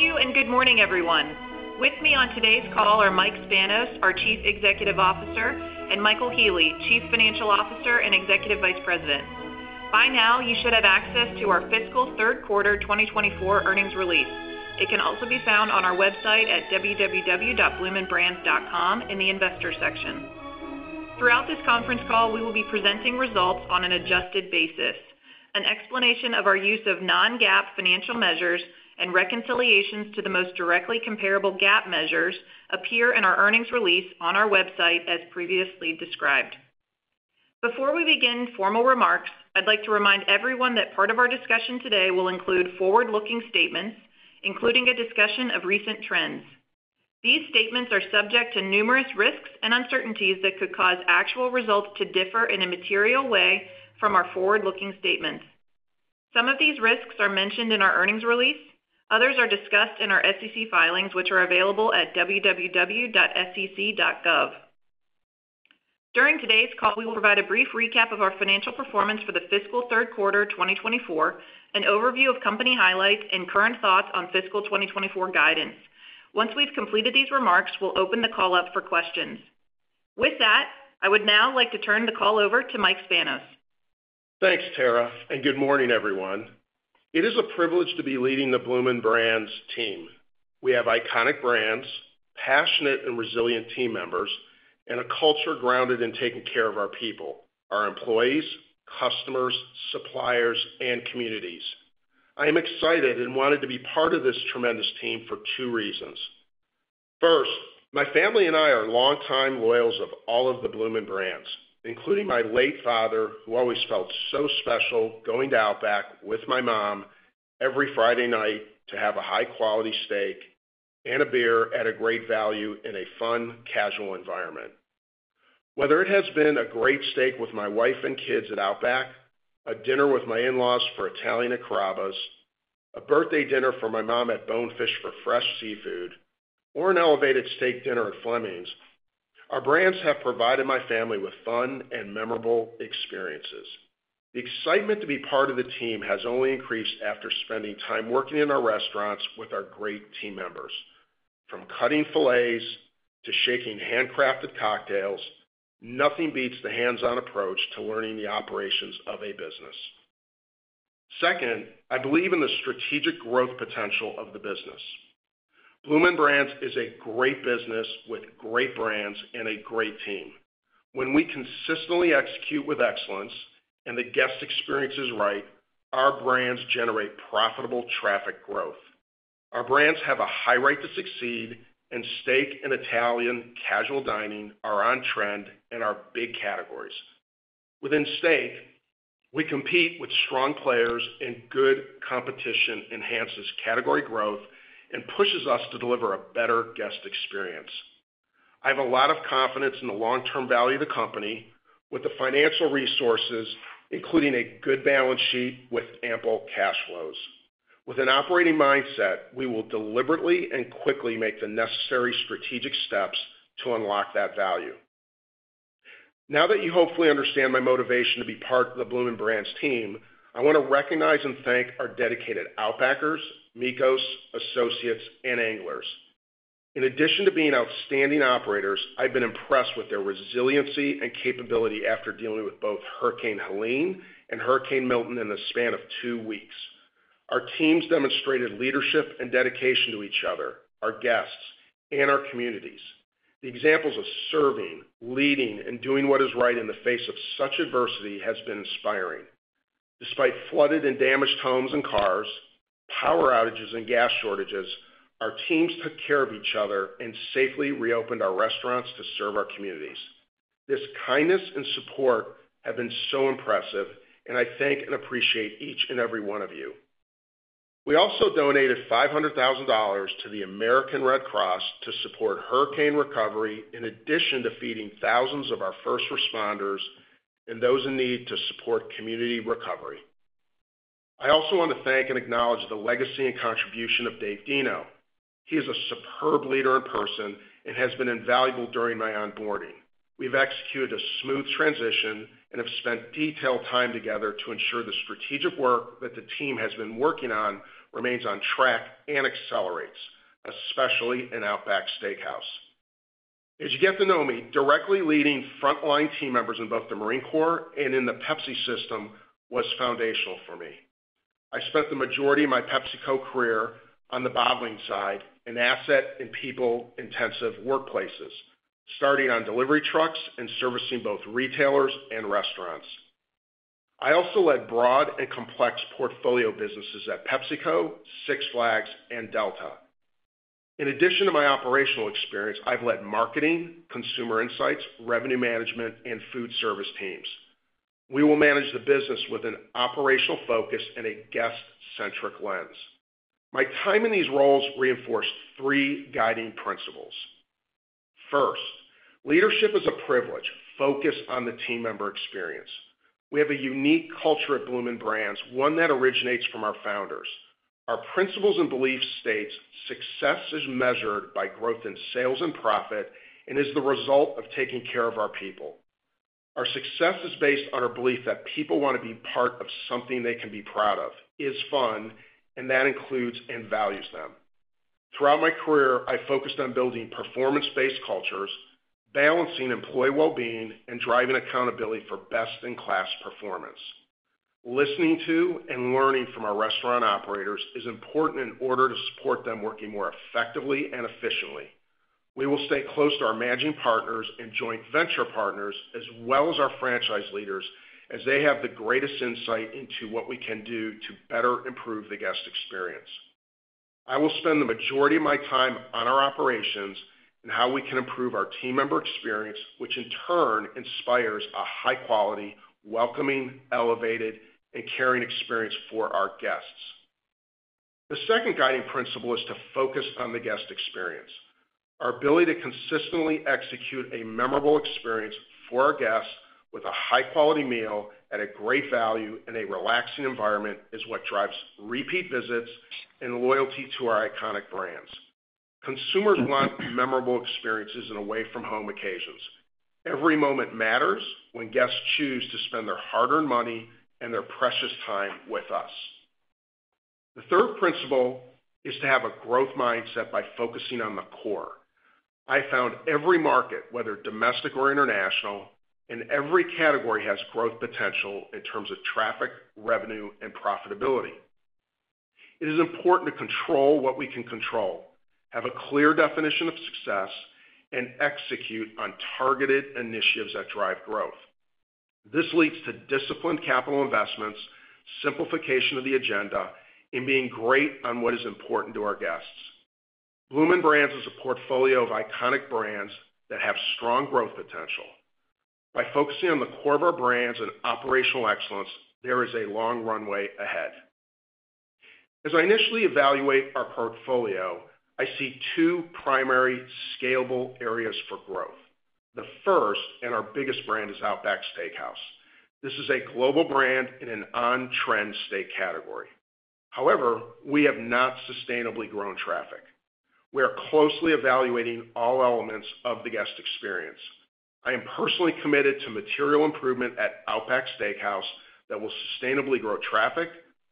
Thank you and good morning, everyone. With me on today's call are Mike Spanos, our Chief Executive Officer, and Michael Healy, Chief Financial Officer and Executive Vice President. By now, you should have access to our fiscal third quarter 2024 earnings release. It can also be found on our website at www.bloomin'brands.com in the investor section. Throughout this conference call, we will be presenting results on an adjusted basis. An explanation of our use of non-GAAP financial measures and reconciliations to the most directly comparable GAAP measures appear in our earnings release on our website as previously described. Before we begin formal remarks, I'd like to remind everyone that part of our discussion today will include forward-looking statements, including a discussion of recent trends. These statements are subject to numerous risks and uncertainties that could cause actual results to differ in a material way from our forward-looking statements. Some of these risks are mentioned in our earnings release. Others are discussed in our SEC filings, which are available at www.sec.gov. During today's call, we will provide a brief recap of our financial performance for the fiscal third quarter 2024, an overview of company highlights, and current thoughts on fiscal 2024 guidance. Once we've completed these remarks, we'll open the call up for questions. With that, I would now like to turn the call over to Mike Spanos. Thanks, Tara, and good morning, everyone. It is a privilege to be leading the Bloomin' Brands team. We have iconic brands, passionate and resilient team members, and a culture grounded in taking care of our people, our employees, customers, suppliers, and communities. I am excited and wanted to be part of this tremendous team for two reasons. First, my family and I are longtime loyals of all of the Bloomin' Brands, including my late father, who always felt so special going to Outback with my mom every Friday night to have a high-quality steak and a beer at a great value in a fun, casual environment. Whether it has been a great steak with my wife and kids at Outback, a dinner with my in-laws for Italian Carrabba's, a birthday dinner for my mom at Bonefish for fresh seafood, or an elevated steak dinner at Fleming's, our brands have provided my family with fun and memorable experiences. The excitement to be part of the team has only increased after spending time working in our restaurants with our great team members. From cutting fillets to shaking handcrafted cocktails, nothing beats the hands-on approach to learning the operations of a business. Second, I believe in the strategic growth potential of the business. Bloomin' Brands is a great business with great brands and a great team. When we consistently execute with excellence and the guest experience is right, our brands generate profitable traffic growth. Our brands have a high right to succeed, and steak and Italian casual dining are on trend in our big categories. Within steak, we compete with strong players, and good competition enhances category growth and pushes us to deliver a better guest experience. I have a lot of confidence in the long-term value of the company with the financial resources, including a good balance sheet with ample cash flows. With an operating mindset, we will deliberately and quickly make the necessary strategic steps to unlock that value. Now that you hopefully understand my motivation to be part of the Bloomin' Brands team, I want to recognize and thank our dedicated Outbackers, Micos, Associates, and Anglers. In addition to being outstanding operators, I've been impressed with their resiliency and capability after dealing with both Hurricane Helene and Hurricane Milton in the span of two weeks. Our teams demonstrated leadership and dedication to each other, our guests, and our communities. The examples of serving, leading, and doing what is right in the face of such adversity have been inspiring. Despite flooded and damaged homes and cars, power outages, and gas shortages, our teams took care of each other and safely reopened our restaurants to serve our communities. This kindness and support have been so impressive, and I thank and appreciate each and every one of you. We also donated $500,000 to the American Red Cross to support hurricane recovery, in addition to feeding thousands of our first responders and those in need to support community recovery. I also want to thank and acknowledge the legacy and contribution of Dave Deno. He is a superb leader and person and has been invaluable during my onboarding. We've executed a smooth transition and have spent detailed time together to ensure the strategic work that the team has been working on remains on track and accelerates, especially in Outback Steakhouse. As you get to know me, directly leading frontline team members in both the Marine Corps and in the Pepsi system was foundational for me. I spent the majority of my PepsiCo career on the bottling side, an asset in people-intensive workplaces, starting on delivery trucks and servicing both retailers and restaurants. I also led broad and complex portfolio businesses at PepsiCo, Six Flags, and Delta. In addition to my operational experience, I've led marketing, consumer insights, revenue management, and food service teams. We will manage the business with an operational focus and a guest-centric lens. My time in these roles reinforced three guiding principles. First, leadership is a privilege. Focus on the team member experience. We have a unique culture at Bloomin' Brands, one that originates from our founders. Our principles and beliefs state success is measured by growth in sales and profit and is the result of taking care of our people. Our success is based on our belief that people want to be part of something they can be proud of, is fun, and that includes and values them. Throughout my career, I focused on building performance-based cultures, balancing employee well-being, and driving accountability for best-in-class performance. Listening to and learning from our restaurant operators is important in order to support them working more effectively and efficiently. We will stay close to our managing partners and joint venture partners, as well as our franchise leaders, as they have the greatest insight into what we can do to better improve the guest experience. I will spend the majority of my time on our operations and how we can improve our team member experience, which in turn inspires a high-quality, welcoming, elevated, and caring experience for our guests. The second guiding principle is to focus on the guest experience. Our ability to consistently execute a memorable experience for our guests with a high-quality meal at a great value in a relaxing environment is what drives repeat visits and loyalty to our iconic brands. Consumers want memorable experiences and away-from-home occasions. Every moment matters when guests choose to spend their hard-earned money and their precious time with us. The third principle is to have a growth mindset by focusing on the core. I found every market, whether domestic or international, and every category has growth potential in terms of traffic, revenue, and profitability. It is important to control what we can control, have a clear definition of success, and execute on targeted initiatives that drive growth. This leads to disciplined capital investments, simplification of the agenda, and being great on what is important to our guests. Bloomin' Brands is a portfolio of iconic brands that have strong growth potential. By focusing on the core of our brands and operational excellence, there is a long runway ahead. As I initially evaluate our portfolio, I see two primary scalable areas for growth. The first and our biggest brand is Outback Steakhouse. This is a global brand in an on-trend steak category. However, we have not sustainably grown traffic. We are closely evaluating all elements of the guest experience. I am personally committed to material improvement at Outback Steakhouse that will sustainably grow traffic,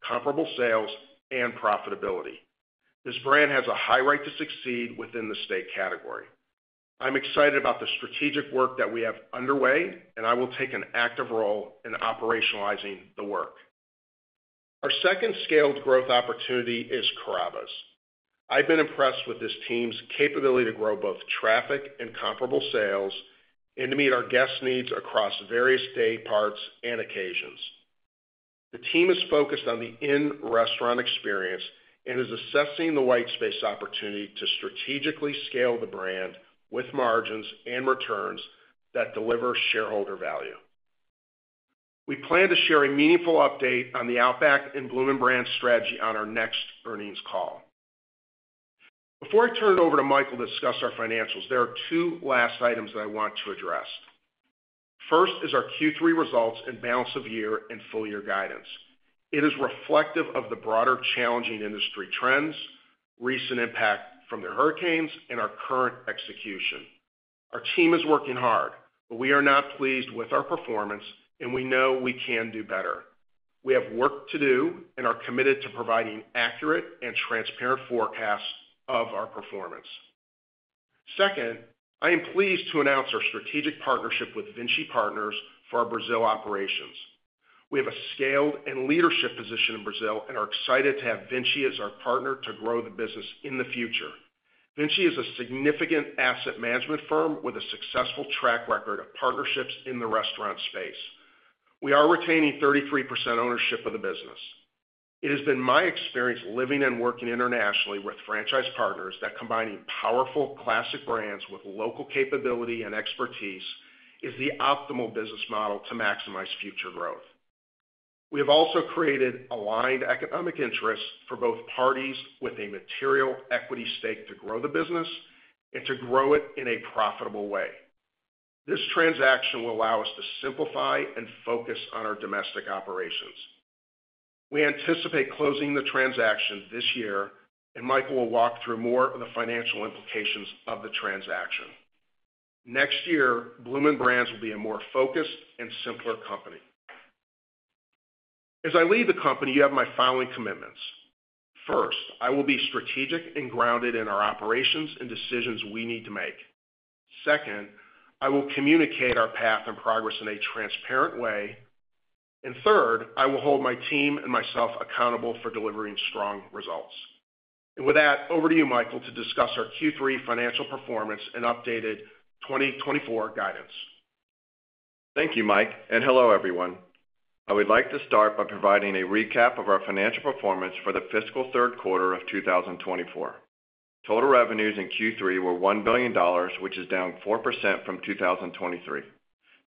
comparable sales, and profitability. This brand has a high rate to succeed within the steak category. I'm excited about the strategic work that we have underway, and I will take an active role in operationalizing the work. Our second scaled growth opportunity is Carrabba's. I've been impressed with this team's capability to grow both traffic and comparable sales and to meet our guest needs across various dayparts and occasions. The team is focused on the in-restaurant experience and is assessing the white space opportunity to strategically scale the brand with margins and returns that deliver shareholder value. We plan to share a meaningful update on the Outback and Bloomin' Brands strategy on our next earnings call. Before I turn it over to Michael to discuss our financials, there are two last items that I want to address. First is our Q3 results and balance of year and full year guidance. It is reflective of the broader challenging industry trends, recent impact from the hurricanes, and our current execution. Our team is working hard, but we are not pleased with our performance, and we know we can do better. We have work to do and are committed to providing accurate and transparent forecasts of our performance. Second, I am pleased to announce our strategic partnership with Vinci Partners for our Brazil operations. We have a scaled and leadership position in Brazil and are excited to have Vinci as our partner to grow the business in the future. Vinci is a significant asset management firm with a successful track record of partnerships in the restaurant space. We are retaining 33% ownership of the business. It has been my experience living and working internationally with franchise partners that combining powerful classic brands with local capability and expertise is the optimal business model to maximize future growth. We have also created aligned economic interests for both parties with a material equity stake to grow the business and to grow it in a profitable way. This transaction will allow us to simplify and focus on our domestic operations. We anticipate closing the transaction this year, and Michael will walk through more of the financial implications of the transaction. Next year, Bloomin' Brands will be a more focused and simpler company. As I lead the company, you have my following commitments. First, I will be strategic and grounded in our operations and decisions we need to make. Second, I will communicate our path and progress in a transparent way. Third, I will hold my team and myself accountable for delivering strong results. With that, over to you, Michael, to discuss our Q3 financial performance and updated 2024 guidance. Thank you, Mike. And hello, everyone. I would like to start by providing a recap of our financial performance for the fiscal third quarter of 2024. Total revenues in Q3 were $1 billion, which is down 4% from 2023.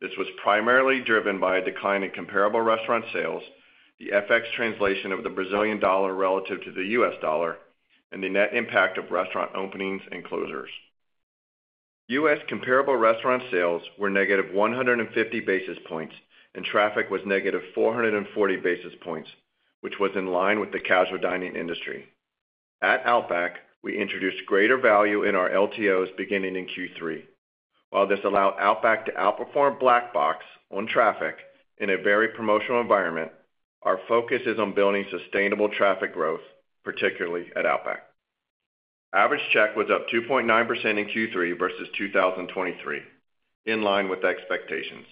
This was primarily driven by a decline in comparable restaurant sales, the FX translation of the Brazilian dollar relative to the U.S. dollar, and the net impact of restaurant openings and closures. U.S. comparable restaurant sales were negative 150 basis points, and traffic was negative 440 basis points, which was in line with the casual dining industry. At Outback, we introduced greater value in our LTOs beginning in Q3. While this allowed Outback to outperform Black Box on traffic in a very promotional environment, our focus is on building sustainable traffic growth, particularly at Outback. Average check was up 2.9% in Q3 versus 2023, in line with expectations.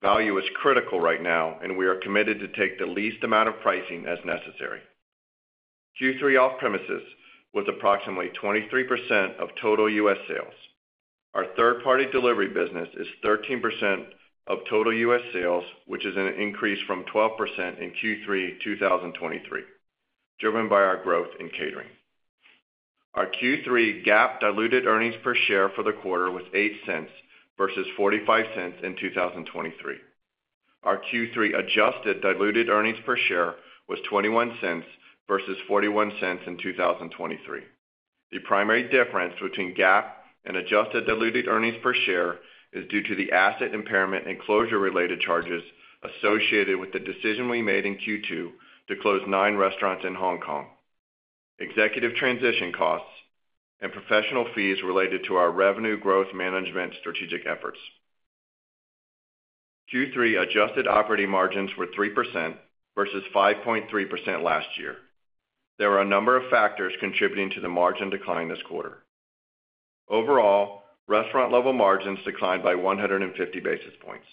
Value is critical right now, and we are committed to take the least amount of pricing as necessary. Q3 off-premises was approximately 23% of total U.S. sales. Our third-party delivery business is 13% of total U.S. sales, which is an increase from 12% in Q3 2023, driven by our growth in catering. Our Q3 GAAP diluted earnings per share for the quarter was $0.08 versus $0.45 in 2023. Our Q3 adjusted diluted earnings per share was $0.21 versus $0.41 in 2023. The primary difference between GAAP and adjusted diluted earnings per share is due to the asset impairment and closure-related charges associated with the decision we made in Q2 to close nine restaurants in Hong Kong, executive transition costs, and professional fees related to our revenue growth management strategic efforts. Q3 adjusted operating margins were 3% versus 5.3% last year. There are a number of factors contributing to the margin decline this quarter. Overall, restaurant-level margins declined by 150 basis points.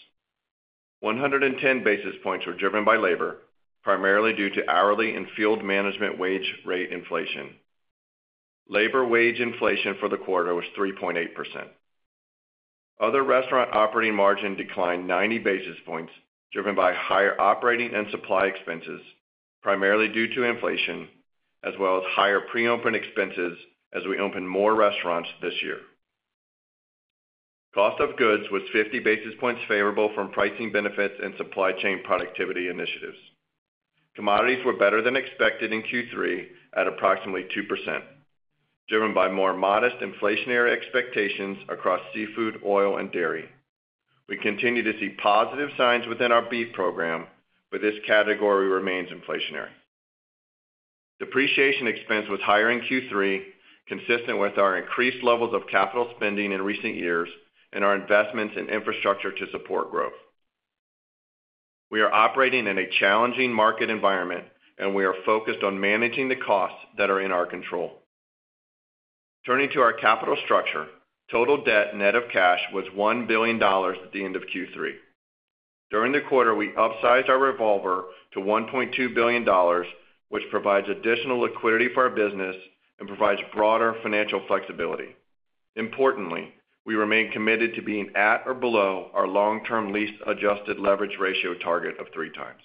110 basis points were driven by labor, primarily due to hourly and field management wage rate inflation. Labor wage inflation for the quarter was 3.8%. Other restaurant operating margin declined 90 basis points, driven by higher operating and supply expenses, primarily due to inflation, as well as higher pre-open expenses as we open more restaurants this year. Cost of goods was 50 basis points favorable from pricing benefits and supply chain productivity initiatives. Commodities were better than expected in Q3 at approximately 2%, driven by more modest inflationary expectations across seafood, oil, and dairy. We continue to see positive signs within our beef program, but this category remains inflationary. Depreciation expense was higher in Q3, consistent with our increased levels of capital spending in recent years and our investments in infrastructure to support growth. We are operating in a challenging market environment, and we are focused on managing the costs that are in our control. Turning to our capital structure, total debt net of cash was $1 billion at the end of Q3. During the quarter, we upsized our revolver to $1.2 billion, which provides additional liquidity for our business and provides broader financial flexibility. Importantly, we remain committed to being at or below our long-term lease-adjusted leverage ratio target of three times.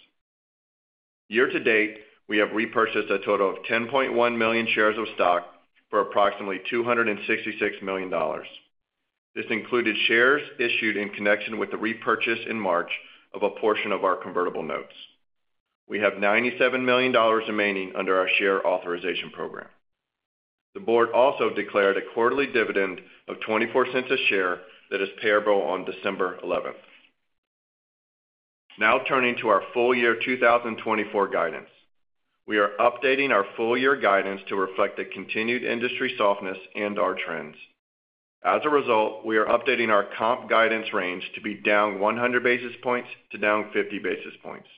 Year to date, we have repurchased a total of 10.1 million shares of stock for approximately $266 million. This included shares issued in connection with the repurchase in March of a portion of our convertible notes. We have $97 million remaining under our share authorization program. The board also declared a quarterly dividend of $0.24 a share that is payable on December 11th. Now turning to our full year 2024 guidance, we are updating our full year guidance to reflect the continued industry softness and our trends. As a result, we are updating our comp guidance range to be down 100 basis points to down 50 basis points.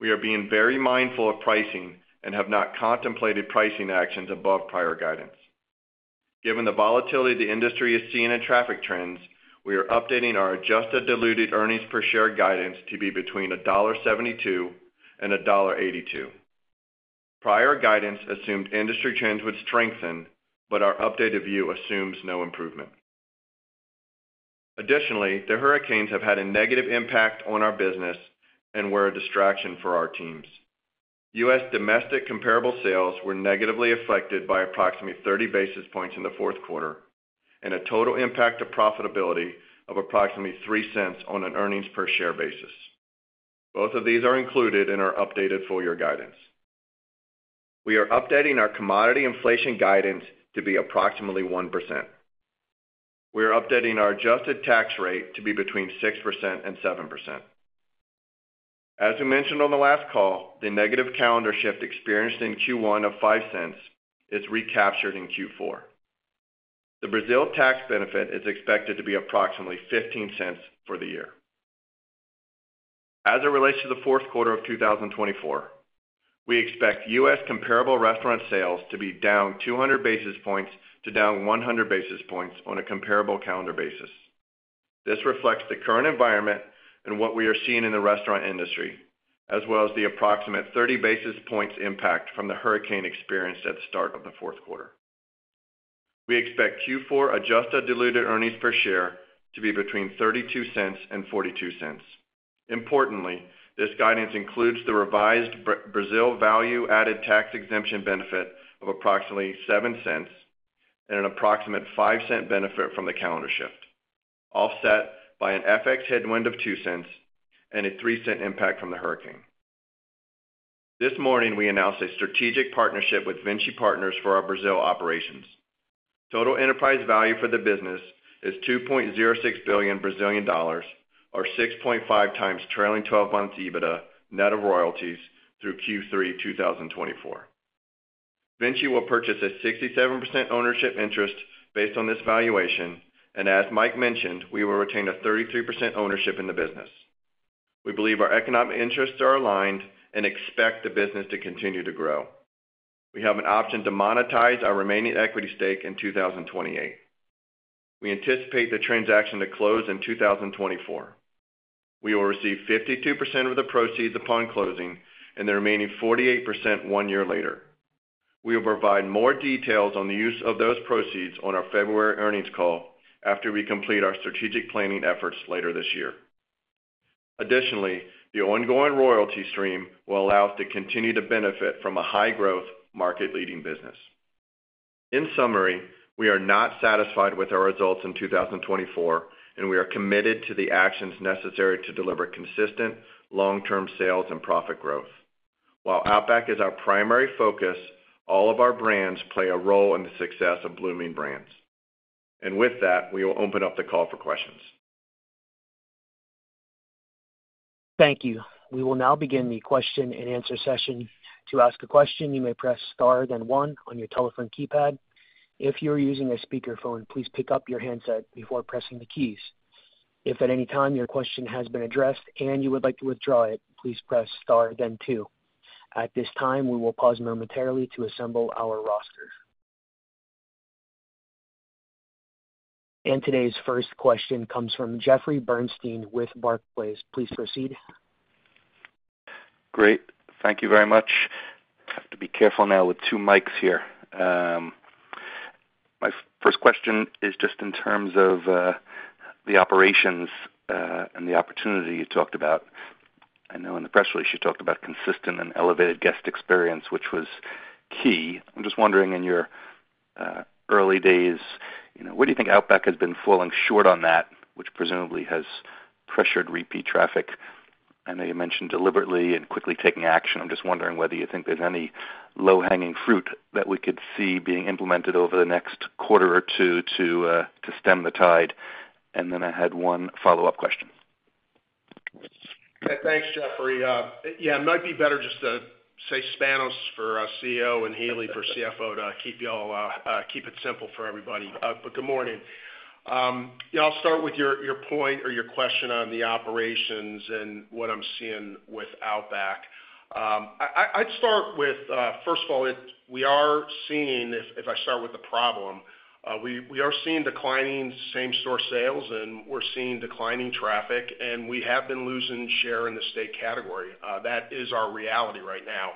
We are being very mindful of pricing and have not contemplated pricing actions above prior guidance. Given the volatility the industry is seeing in traffic trends, we are updating our adjusted diluted earnings per share guidance to be between $1.72 and $1.82. Prior guidance assumed industry trends would strengthen, but our updated view assumes no improvement. Additionally, the hurricanes have had a negative impact on our business and were a distraction for our teams. U.S. domestic comparable sales were negatively affected by approximately 30 basis points in the fourth quarter and a total impact of profitability of approximately $0.03 on an earnings per share basis. Both of these are included in our updated full year guidance. We are updating our commodity inflation guidance to be approximately 1%. We are updating our adjusted tax rate to be between 6% and 7%. As we mentioned on the last call, the negative calendar shift experienced in Q1 of $0.05 is recaptured in Q4. The Brazil tax benefit is expected to be approximately $0.15 for the year. As it relates to the fourth quarter of 2024, we expect U.S. comparable restaurant sales to be down 200 basis points to down 100 basis points on a comparable calendar basis. This reflects the current environment and what we are seeing in the restaurant industry, as well as the approximate 30 basis points impact from the hurricane experienced at the start of the fourth quarter. We expect Q4 adjusted diluted earnings per share to be between $0.32 and $0.42. Importantly, this guidance includes the revised Brazil value-added tax exemption benefit of approximately $0.07 and an approximate $0.05 benefit from the calendar shift, offset by an FX headwind of $0.02 and a $0.03 impact from the hurricane. This morning, we announced a strategic partnership with Vinci Partners for our Brazil operations. Total enterprise value for the business is BRL 2.06 billion, or 6.5 times trailing 12 months EBITDA net of royalties through Q3 2024. Vinci will purchase a 67% ownership interest based on this valuation, and as Mike mentioned, we will retain a 33% ownership in the business. We believe our economic interests are aligned and expect the business to continue to grow. We have an option to monetize our remaining equity stake in 2028. We anticipate the transaction to close in 2024. We will receive 52% of the proceeds upon closing and the remaining 48% one year later. We will provide more details on the use of those proceeds on our February earnings call after we complete our strategic planning efforts later this year. Additionally, the ongoing royalty stream will allow us to continue to benefit from a high-growth market-leading business. In summary, we are not satisfied with our results in 2024, and we are committed to the actions necessary to deliver consistent long-term sales and profit growth. While Outback is our primary focus, all of our brands play a role in the success of Bloomin' Brands, and with that, we will open up the call for questions. Thank you. We will now begin the question and answer session. To ask a question, you may press star then one on your telephone keypad. If you are using a speakerphone, please pick up your handset before pressing the keys. If at any time your question has been addressed and you would like to withdraw it, please press star then two. At this time, we will pause momentarily to assemble our roster. And today's first question comes from Jeffrey Bernstein with Barclays. Please proceed. Great. Thank you very much. I have to be careful now with two mics here. My first question is just in terms of the operations and the opportunity you talked about. I know in the press release you talked about consistent and elevated guest experience, which was key. I'm just wondering in your early days, where do you think Outback has been falling short on that, which presumably has pressured repeat traffic? I know you mentioned deliberately and quickly taking action. I'm just wondering whether you think there's any low-hanging fruit that we could see being implemented over the next quarter or two to stem the tide. And then I had one follow-up question. Okay. Thanks, Jeffrey. Yeah, it might be better just to say Spanos for CEO and Healy for CFO to keep y'all, keep it simple for everybody. But good morning. Yeah, I'll start with your point or your question on the operations and what I'm seeing with Outback. I'd start with, first of all, we are seeing, if I start with the problem, we are seeing declining same-store sales and we're seeing declining traffic, and we have been losing share in the steak category. That is our reality right now.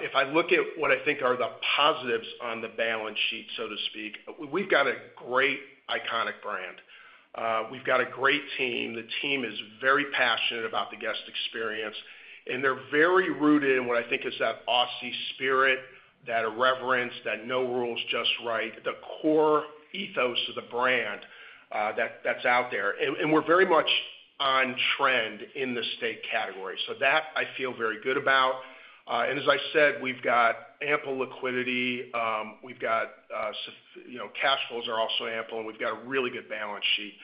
If I look at what I think are the positives on the balance sheet, so to speak, we've got a great iconic brand. We've got a great team. The team is very passionate about the guest experience, and they're very rooted in what I think is that Aussie spirit, that irreverence, that no rules, just right, the core ethos of the brand that's out there, and we're very much on trend in the steak category, so that I feel very good about, and as I said, we've got ample liquidity. We've got cash flows are also ample, and we've got a really good balance sheet,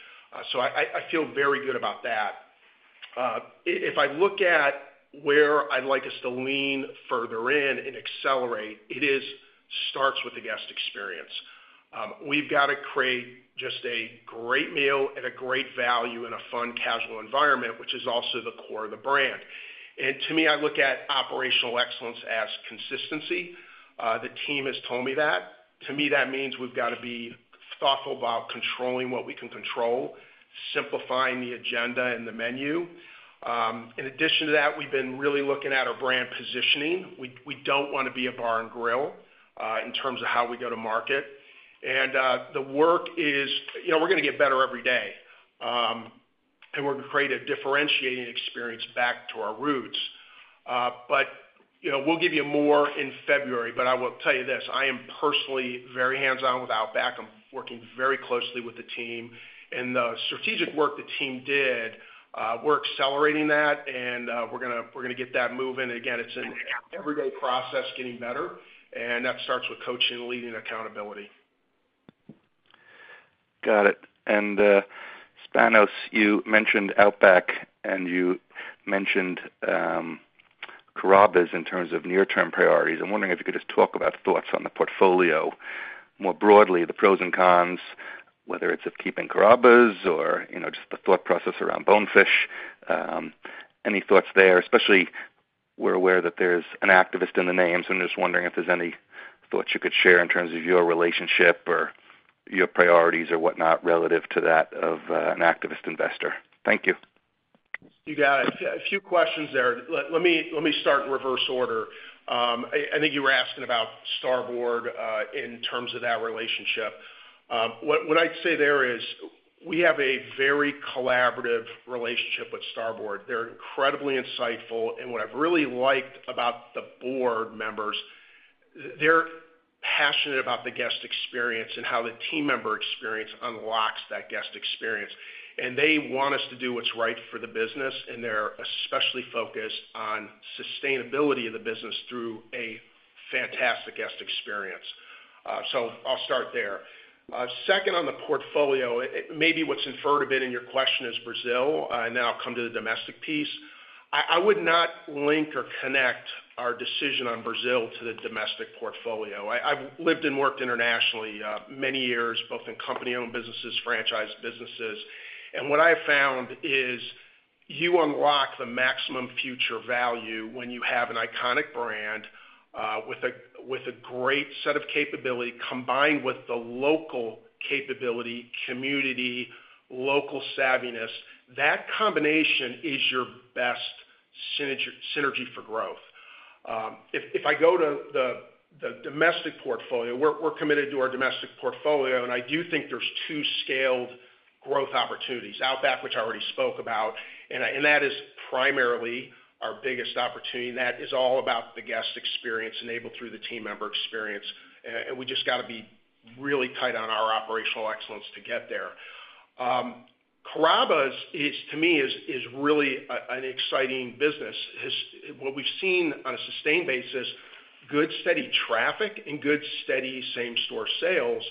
so I feel very good about that. If I look at where I'd like us to lean further in and accelerate, it starts with the guest experience. We've got to create just a great meal and a great value in a fun casual environment, which is also the core of the brand, and to me, I look at operational excellence as consistency. The team has told me that. To me, that means we've got to be thoughtful about controlling what we can control, simplifying the agenda and the menu. In addition to that, we've been really looking at our brand positioning. We don't want to be a bar and grill in terms of how we go to market, and the work is we're going to get better every day, and we're going to create a differentiating experience back to our roots, but we'll give you more in February, but I will tell you this, I am personally very hands-on with Outback. I'm working very closely with the team, and the strategic work the team did, we're accelerating that, and we're going to get that moving. Again, it's an everyday process getting better, and that starts with coaching and leading accountability. Got it. And Spanos, you mentioned Outback, and you mentioned Carrabba's in terms of near-term priorities. I'm wondering if you could just talk about thoughts on the portfolio more broadly, the pros and cons, whether it's of keeping Carrabba's or just the thought process around Bonefish. Any thoughts there? Especially, we're aware that there's an activist in the names, and I'm just wondering if you could share in terms of your relationship or your priorities or whatnot relative to that of an activist investor. Thank you. You got it. A few questions there. Let me start in reverse order. I think you were asking about Starboard in terms of that relationship. What I'd say there is we have a very collaborative relationship with Starboard. They're incredibly insightful. And what I've really liked about the board members, they're passionate about the guest experience and how the team member experience unlocks that guest experience. And they want us to do what's right for the business, and they're especially focused on sustainability of the business through a fantastic guest experience. So I'll start there. Second on the portfolio, maybe what's inferred a bit in your question is Brazil, and then I'll come to the domestic piece. I would not link or connect our decision on Brazil to the domestic portfolio. I've lived and worked internationally many years, both in company-owned businesses, franchise businesses. And what I've found is you unlock the maximum future value when you have an iconic brand with a great set of capability combined with the local capability community, local savviness. That combination is your best synergy for growth. If I go to the domestic portfolio, we're committed to our domestic portfolio, and I do think there's two scaled growth opportunities: Outback, which I already spoke about, and that is primarily our biggest opportunity. That is all about the guest experience enabled through the team member experience. And we just got to be really tight on our operational excellence to get there. Carrabba's, to me, is really an exciting business. What we've seen on a sustained basis, good steady traffic and good steady same-store sales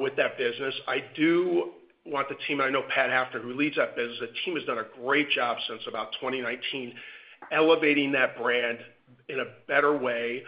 with that business. I do want the team, I know Pat Hafner, who leads that business, the team has done a great job since about 2019, elevating that brand in a better way.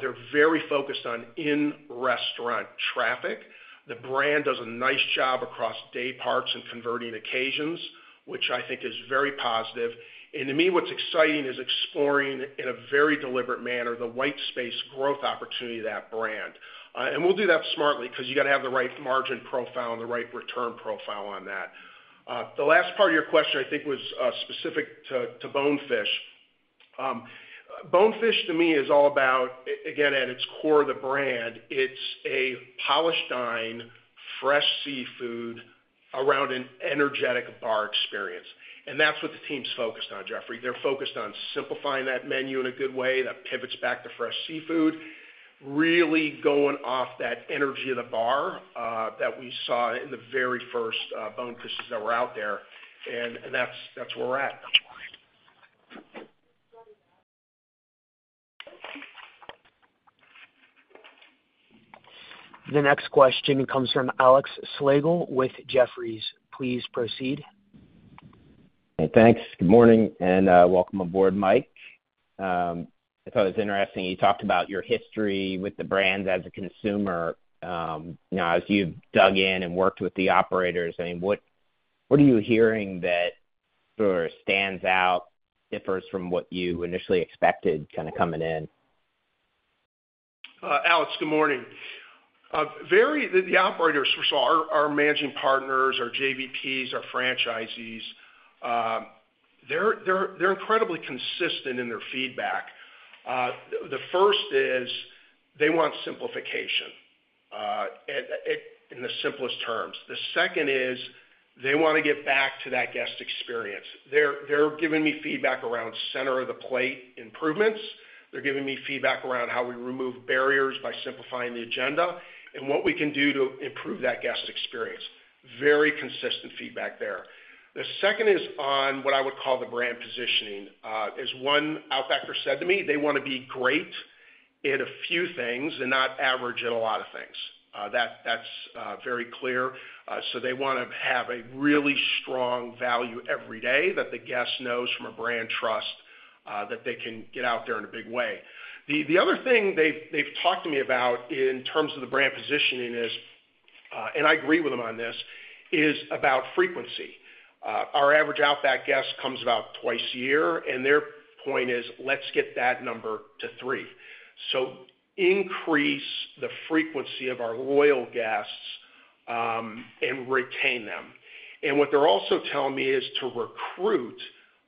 They're very focused on in-restaurant traffic. The brand does a nice job across dayparts and converting occasions, which I think is very positive, and to me, what's exciting is exploring in a very deliberate manner the white space growth opportunity of that brand, and we'll do that smartly because you got to have the right margin profile and the right return profile on that. The last part of your question, I think, was specific to Bonefish. Bonefish, to me, is all about, again, at its core, the brand. It's a polished dining, fresh seafood around an energetic bar experience, and that's what the team's focused on, Jeffrey. They're focused on simplifying that menu in a good way that pivots back to fresh seafood, really going off that energy of the bar that we saw in the very first Bonefish's that were out there, and that's where we're at. The next question comes from Alex Slagle with Jefferies. Please proceed. Thanks. Good morning and welcome aboard, Mike. I thought it was interesting. You talked about your history with the brand as a consumer. Now, as you've dug in and worked with the operators, I mean, what are you hearing that stands out, differs from what you initially expected kind of coming in? Alex, good morning. The operators, for sure, our managing partners, our JVPs, our franchisees, they're incredibly consistent in their feedback. The first is they want simplification in the simplest terms. The second is they want to get back to that guest experience. They're giving me feedback around center of the plate improvements. They're giving me feedback around how we remove barriers by simplifying the agenda and what we can do to improve that guest experience. Very consistent feedback there. The second is on what I would call the brand positioning. As one Outbacker said to me, they want to be great at a few things and not average at a lot of things. That's very clear. So they want to have a really strong value every day that the guest knows from a brand trust that they can get out there in a big way. The other thing they've talked to me about in terms of the brand positioning is, and I agree with them on this, is about frequency. Our average Outback guest comes about twice a year, and their point is, "Let's get that number to three." So increase the frequency of our loyal guests and retain them. And what they're also telling me is to recruit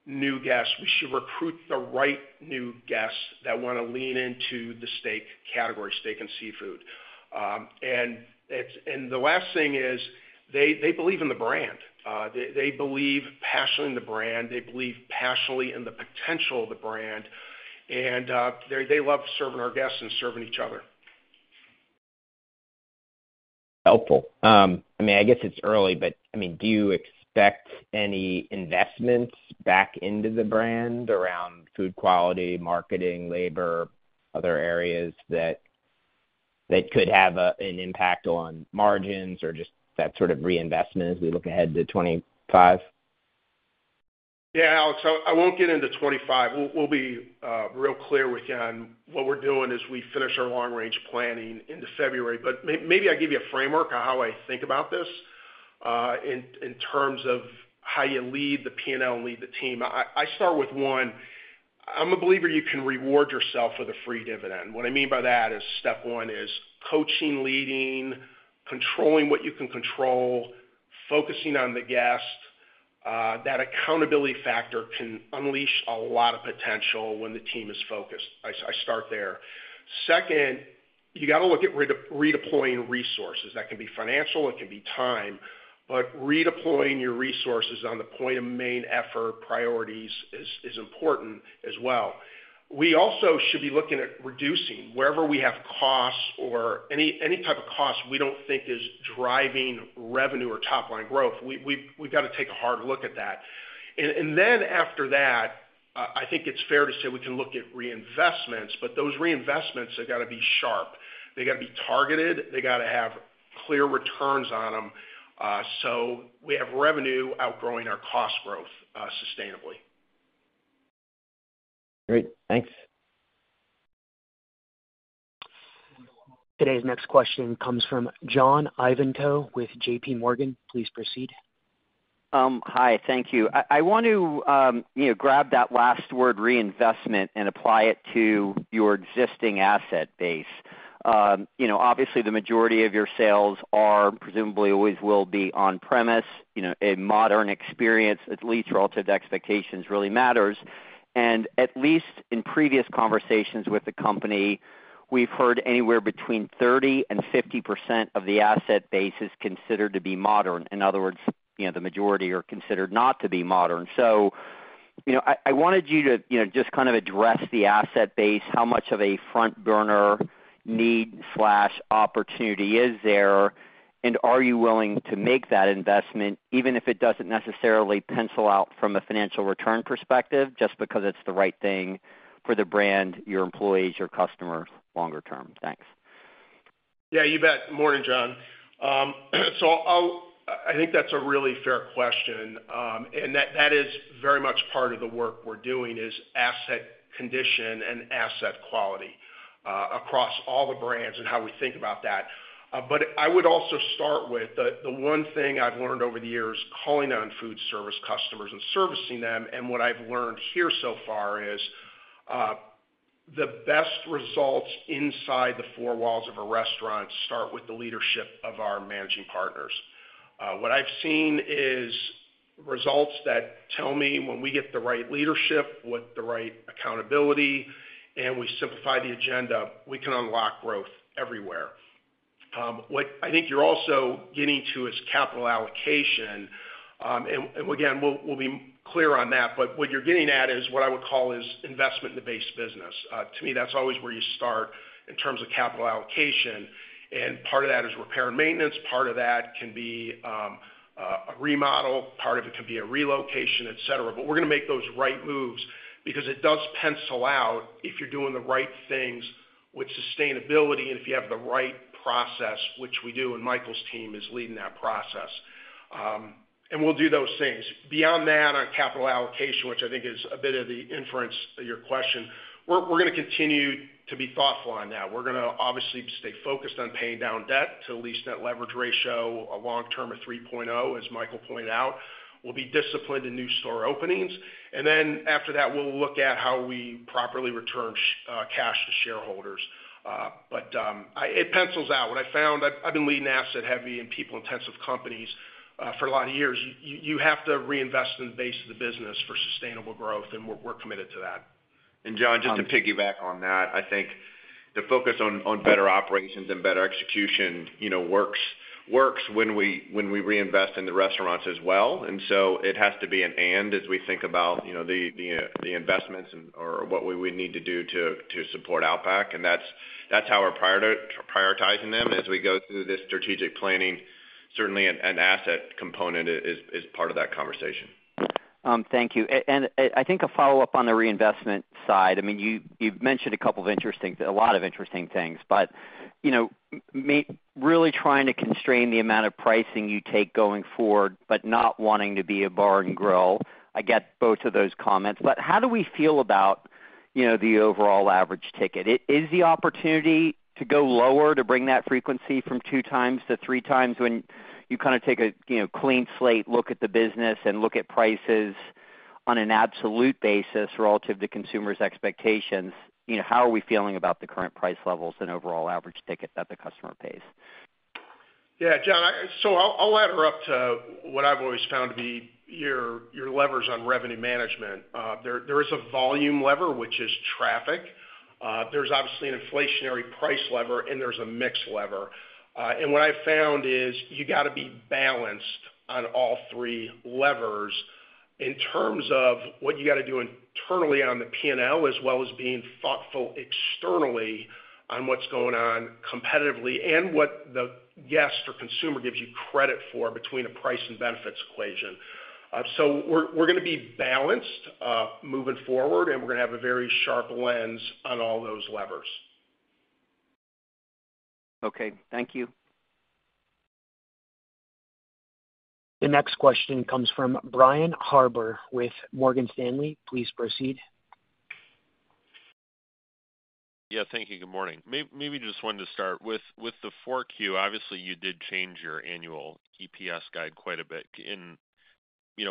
new guests. We should recruit the right new guests that want to lean into the steak category, steak and seafood. And the last thing is they believe in the brand. They believe passionately in the brand. They believe passionately in the potential of the brand. And they love serving our guests and serving each other. Helpful. I mean, I guess it's early, but I mean, do you expect any investments back into the brand around food quality, marketing, labor, other areas that could have an impact on margins or just that sort of reinvestment as we look ahead to 2025? Yeah, Alex, I won't get into 2025. We'll be real clear with you on what we're doing as we finish our long-range planning into February. But maybe I'll give you a framework on how I think about this in terms of how you lead the P&L and lead the team. I start with one. I'm a believer you can reward yourself for the free dividend. What I mean by that is step one is coaching, leading, controlling what you can control, focusing on the guest. That accountability factor can unleash a lot of potential when the team is focused. I start there. Second, you got to look at redeploying resources. That can be financial. It can be time. But redeploying your resources on the point of main effort priorities is important as well. We also should be looking at reducing wherever we have costs or any type of cost we don't think is driving revenue or top-line growth. We've got to take a hard look at that. And then after that, I think it's fair to say we can look at reinvestments, but those reinvestments have got to be sharp. They got to be targeted. They got to have clear returns on them. So we have revenue outgrowing our cost growth sustainably. Great. Thanks. Today's next question comes from John Ivankoe with JPMorgan. Please proceed. Hi. Thank you. I want to grab that last word reinvestment and apply it to your existing asset base. Obviously, the majority of your sales are presumably always will be on-premise. A modern experience, at least relative to expectations, really matters. And at least in previous conversations with the company, we've heard anywhere between 30% and 50% of the asset base is considered to be modern. In other words, the majority are considered not to be modern. So I wanted you to just kind of address the asset base. How much of a front-burner need/opportunity is there? And are you willing to make that investment, even if it doesn't necessarily pencil out from a financial return perspective, just because it's the right thing for the brand, your employees, your customers longer term? Thanks. Yeah, you bet. Morning, John. So I think that's a really fair question. And that is very much part of the work we're doing is asset condition and asset quality across all the brands and how we think about that. But I would also start with the one thing I've learned over the years calling on food service customers and servicing them. And what I've learned here so far is the best results inside the four walls of a restaurant start with the leadership of our managing partners. What I've seen is results that tell me when we get the right leadership with the right accountability and we simplify the agenda, we can unlock growth everywhere. What I think you're also getting to is capital allocation. And again, we'll be clear on that. But what you're getting at is what I would call is investment in the base business. To me, that's always where you start in terms of capital allocation. Part of that is repair and maintenance. Part of it can be a remodel. Part of it can be a relocation, etc. But we're going to make those right moves because it does pencil out if you're doing the right things with sustainability and if you have the right process, which we do, and Michael's team is leading that process. And we'll do those things. Beyond that, on capital allocation, which I think is a bit of the inference of your question, we're going to continue to be thoughtful on that. We're going to obviously stay focused on paying down debt to a lease-adjusted net leverage ratio, a long-term of 3.0, as Michael pointed out. We'll be disciplined in new store openings. And then after that, we'll look at how we properly return cash to shareholders. But it pencils out. What I found, I've been leading asset-heavy and people-intensive companies for a lot of years. You have to reinvest in the base of the business for sustainable growth, and we're committed to that. John, just to piggyback on that, I think the focus on better operations and better execution works when we reinvest in the restaurants as well. And so it has to be an and as we think about the investments or what we would need to do to support Outback. And that's how we're prioritizing them. As we go through this strategic planning, certainly an asset component is part of that conversation. Thank you. And I think a follow-up on the reinvestment side. I mean, you've mentioned a couple of interesting, a lot of interesting things, but really trying to constrain the amount of pricing you take going forward, but not wanting to be a bar and grill. I get both of those comments. But how do we feel about the overall average ticket? Is the opportunity to go lower to bring that frequency from two times to three times when you kind of take a clean slate, look at the business, and look at prices on an absolute basis relative to consumers' expectations? How are we feeling about the current price levels and overall average ticket that the customer pays? Yeah, John, so I'll add it up to what I've always found to be the levers on revenue management. There is a volume lever, which is traffic. There's obviously an inflationary price lever, and there's a mix lever. And what I've found is you got to be balanced on all three levers in terms of what you got to do internally on the P&L as well as being thoughtful externally on what's going on competitively and what the guest or consumer gives you credit for between a price and benefits equation. So we're going to be balanced moving forward, and we're going to have a very sharp lens on all those levers. Okay. Thank you. The next question comes from Brian Harbour with Morgan Stanley. Please proceed. Yeah, thank you. Good morning. Maybe just wanted to start with the Q4. Obviously, you did change your annual EPS guide quite a bit, and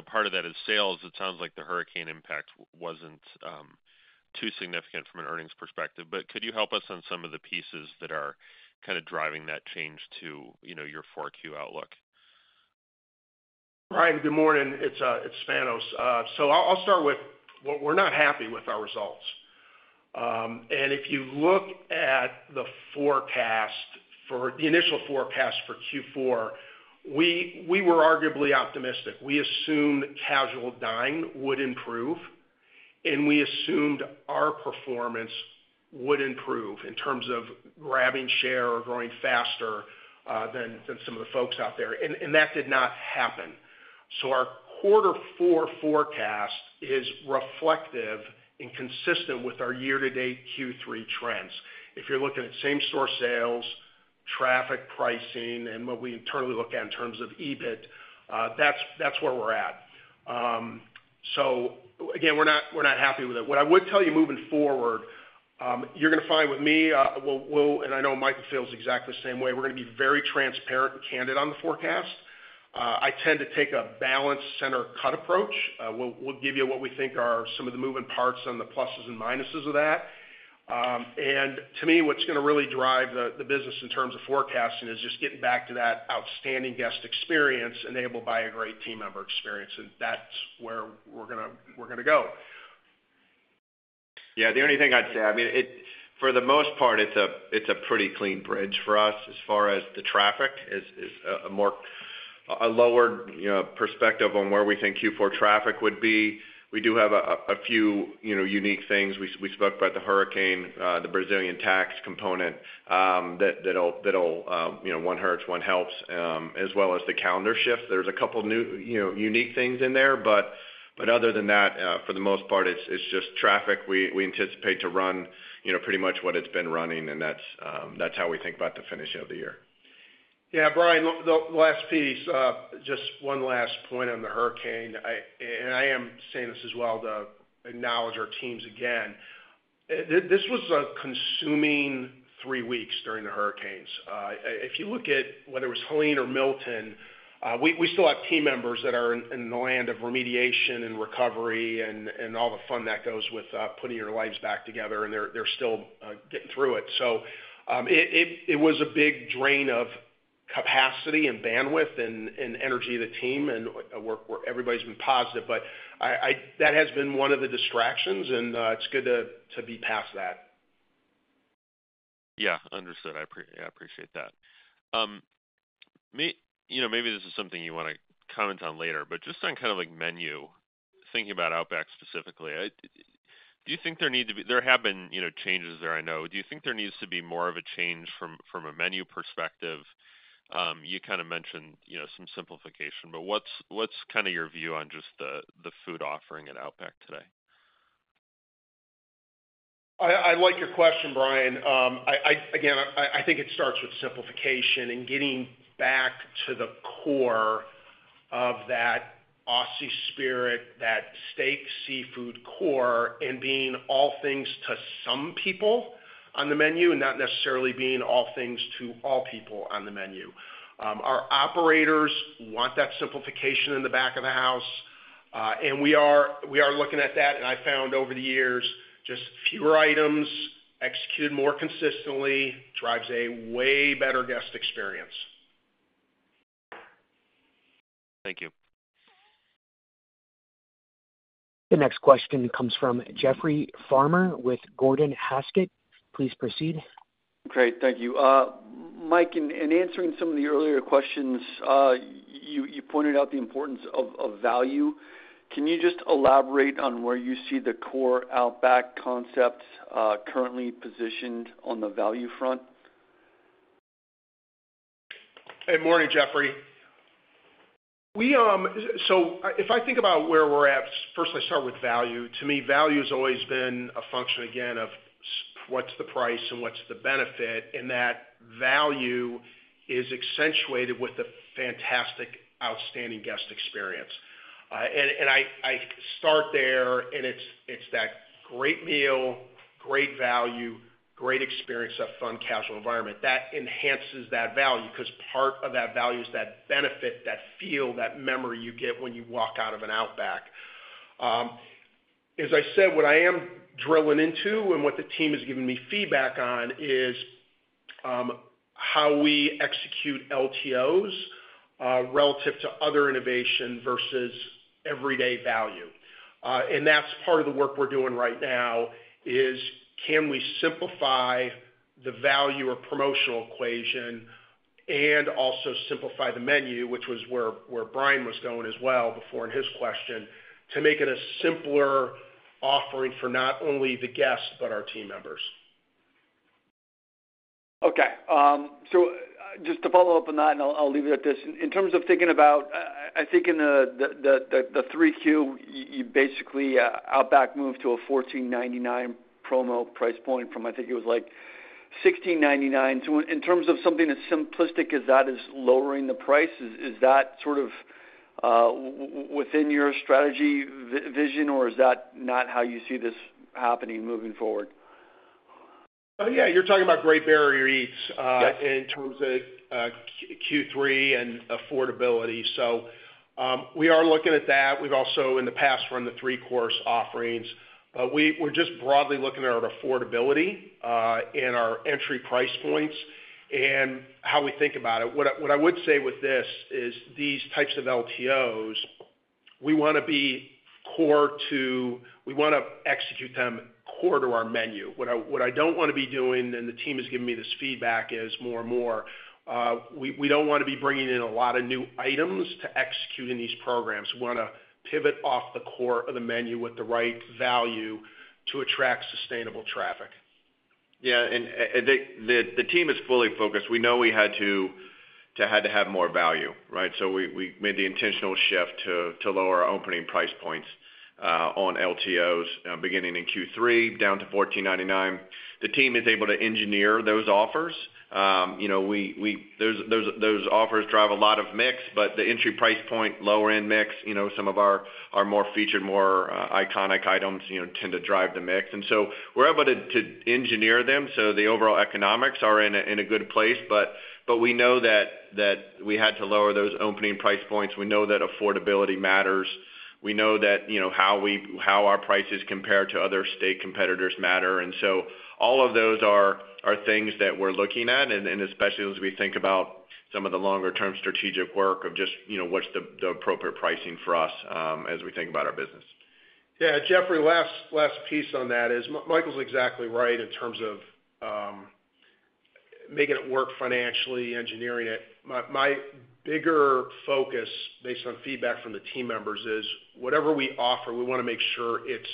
part of that is sales. It sounds like the hurricane impact wasn't too significant from an earnings perspective, but could you help us on some of the pieces that are kind of driving that change to your Q4 outlook? Hi. Good morning. It's Spanos. So I'll start with we're not happy with our results, and if you look at the forecast for the initial forecast for Q4, we were arguably optimistic. We assumed casual dining would improve, and we assumed our performance would improve in terms of grabbing share or growing faster than some of the folks out there, and that did not happen, so our quarter four forecast is reflective and consistent with our year-to-date Q3 trends. If you're looking at same-store sales, traffic, pricing, and what we internally look at in terms of EBIT, that's where we're at, so again, we're not happy with it. What I would tell you moving forward, you're going to find with me, and I know Michael feels exactly the same way, we're going to be very transparent and candid on the forecast. I tend to take a balanced center-cut approach. We'll give you what we think are some of the moving parts and the pluses and minuses of that. And to me, what's going to really drive the business in terms of forecasting is just getting back to that outstanding guest experience enabled by a great team member experience. And that's where we're going to go. Yeah. The only thing I'd say, I mean, for the most part, it's a pretty clean bridge for us as far as the traffic is a lowered perspective on where we think Q4 traffic would be. We do have a few unique things. We spoke about the hurricane, the Brazilian tax component that'll one hurts, one helps, as well as the calendar shift. There's a couple of unique things in there. But other than that, for the most part, it's just traffic. We anticipate to run pretty much what it's been running, and that's how we think about the finish of the year. Yeah. Brian, the last piece, just one last point on the hurricane. And I am saying this as well to acknowledge our teams again. This was a consuming three weeks during the hurricanes. If you look at whether it was Helene or Milton, we still have team members that are in the land of remediation and recovery and all the fun that goes with putting your lives back together, and they're still getting through it. So it was a big drain of capacity and bandwidth and energy of the team and where everybody's been positive. But that has been one of the distractions, and it's good to be past that. Yeah. Understood. I appreciate that. Maybe this is something you want to comment on later, but just on kind of like menu, thinking about Outback specifically, do you think there need to be? There have been changes there, I know. Do you think there needs to be more of a change from a menu perspective? You kind of mentioned some simplification, but what's kind of your view on just the food offering at Outback today? I like your question, Brian. Again, I think it starts with simplification and getting back to the core of that Aussie spirit, that steak, seafood core and being all things to some people on the menu and not necessarily being all things to all people on the menu. Our operators want that simplification in the back of the house. We are looking at that. I found over the years, just fewer items executed more consistently drives a way better guest experience. Thank you. The next question comes from Jeffrey Farmer with Gordon Haskett. Please proceed. Great. Thank you. Mike, in answering some of the earlier questions, you pointed out the importance of value. Can you just elaborate on where you see the core Outback concept currently positioned on the value front? Hey, morning, Jeffrey. So if I think about where we're at, first, I start with value. To me, value has always been a function, again, of what's the price and what's the benefit, and that value is accentuated with the fantastic, outstanding guest experience. And I start there, and it's that great meal, great value, great experience, that fun casual environment. That enhances that value because part of that value is that benefit, that feel, that memory you get when you walk out of an Outback. As I said, what I am drilling into and what the team has given me feedback on is how we execute LTOs relative to other innovation versus everyday value. And that's part of the work we're doing right now is can we simplify the value or promotional equation and also simplify the menu, which was where Brian was going as well before in his question, to make it a simpler offering for not only the guests but our team members? Okay. So just to follow up on that, and I'll leave it at this. In terms of thinking about, I think in the Q3, you basically Outback moved to a $14.99 promo price point from, I think it was like $16.99. So in terms of something as simplistic as that, as lowering the price, is that sort of within your strategy vision, or is that not how you see this happening moving forward? Yeah. You're talking about Great Barrier Eats in terms of Q3 and affordability. So we are looking at that. We've also, in the past, run the three-course offerings, but we're just broadly looking at our affordability and our entry price points and how we think about it. What I would say with this is these types of LTOs, we want to execute them core to our menu. What I don't want to be doing, and the team has given me this feedback is more and more, we don't want to be bringing in a lot of new items to execute in these programs. We want to pivot off the core of the menu with the right value to attract sustainable traffic. Yeah. And the team is fully focused. We know we had to have more value, right? So we made the intentional shift to lower our opening price points on LTOs beginning in Q3 down to $14.99. The team is able to engineer those offers. Those offers drive a lot of mix, but the entry price point, lower-end mix, some of our more featured, more iconic items tend to drive the mix. And so we're able to engineer them. So the overall economics are in a good place, but we know that we had to lower those opening price points. We know that affordability matters. We know that how our prices compare to other steak competitors matter. And so all of those are things that we're looking at, and especially as we think about some of the longer-term strategic work of just what's the appropriate pricing for us as we think about our business. Yeah. Jeffrey, last piece on that is Michael's exactly right in terms of making it work financially, engineering it. My bigger focus based on feedback from the team members is whatever we offer, we want to make sure it's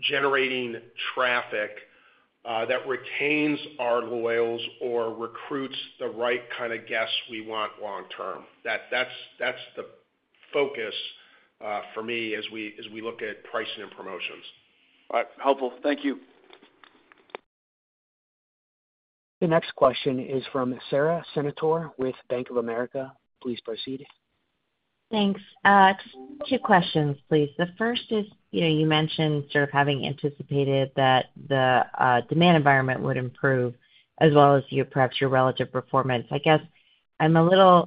generating traffic that retains our loyals or recruits the right kind of guests we want long-term. That's the focus for me as we look at pricing and promotions. All right. Helpful. Thank you. The next question is from Sara Senatore with Bank of America. Please proceed. Thanks. Two questions, please. The first is you mentioned sort of having anticipated that the demand environment would improve as well as perhaps your relative performance. I guess I want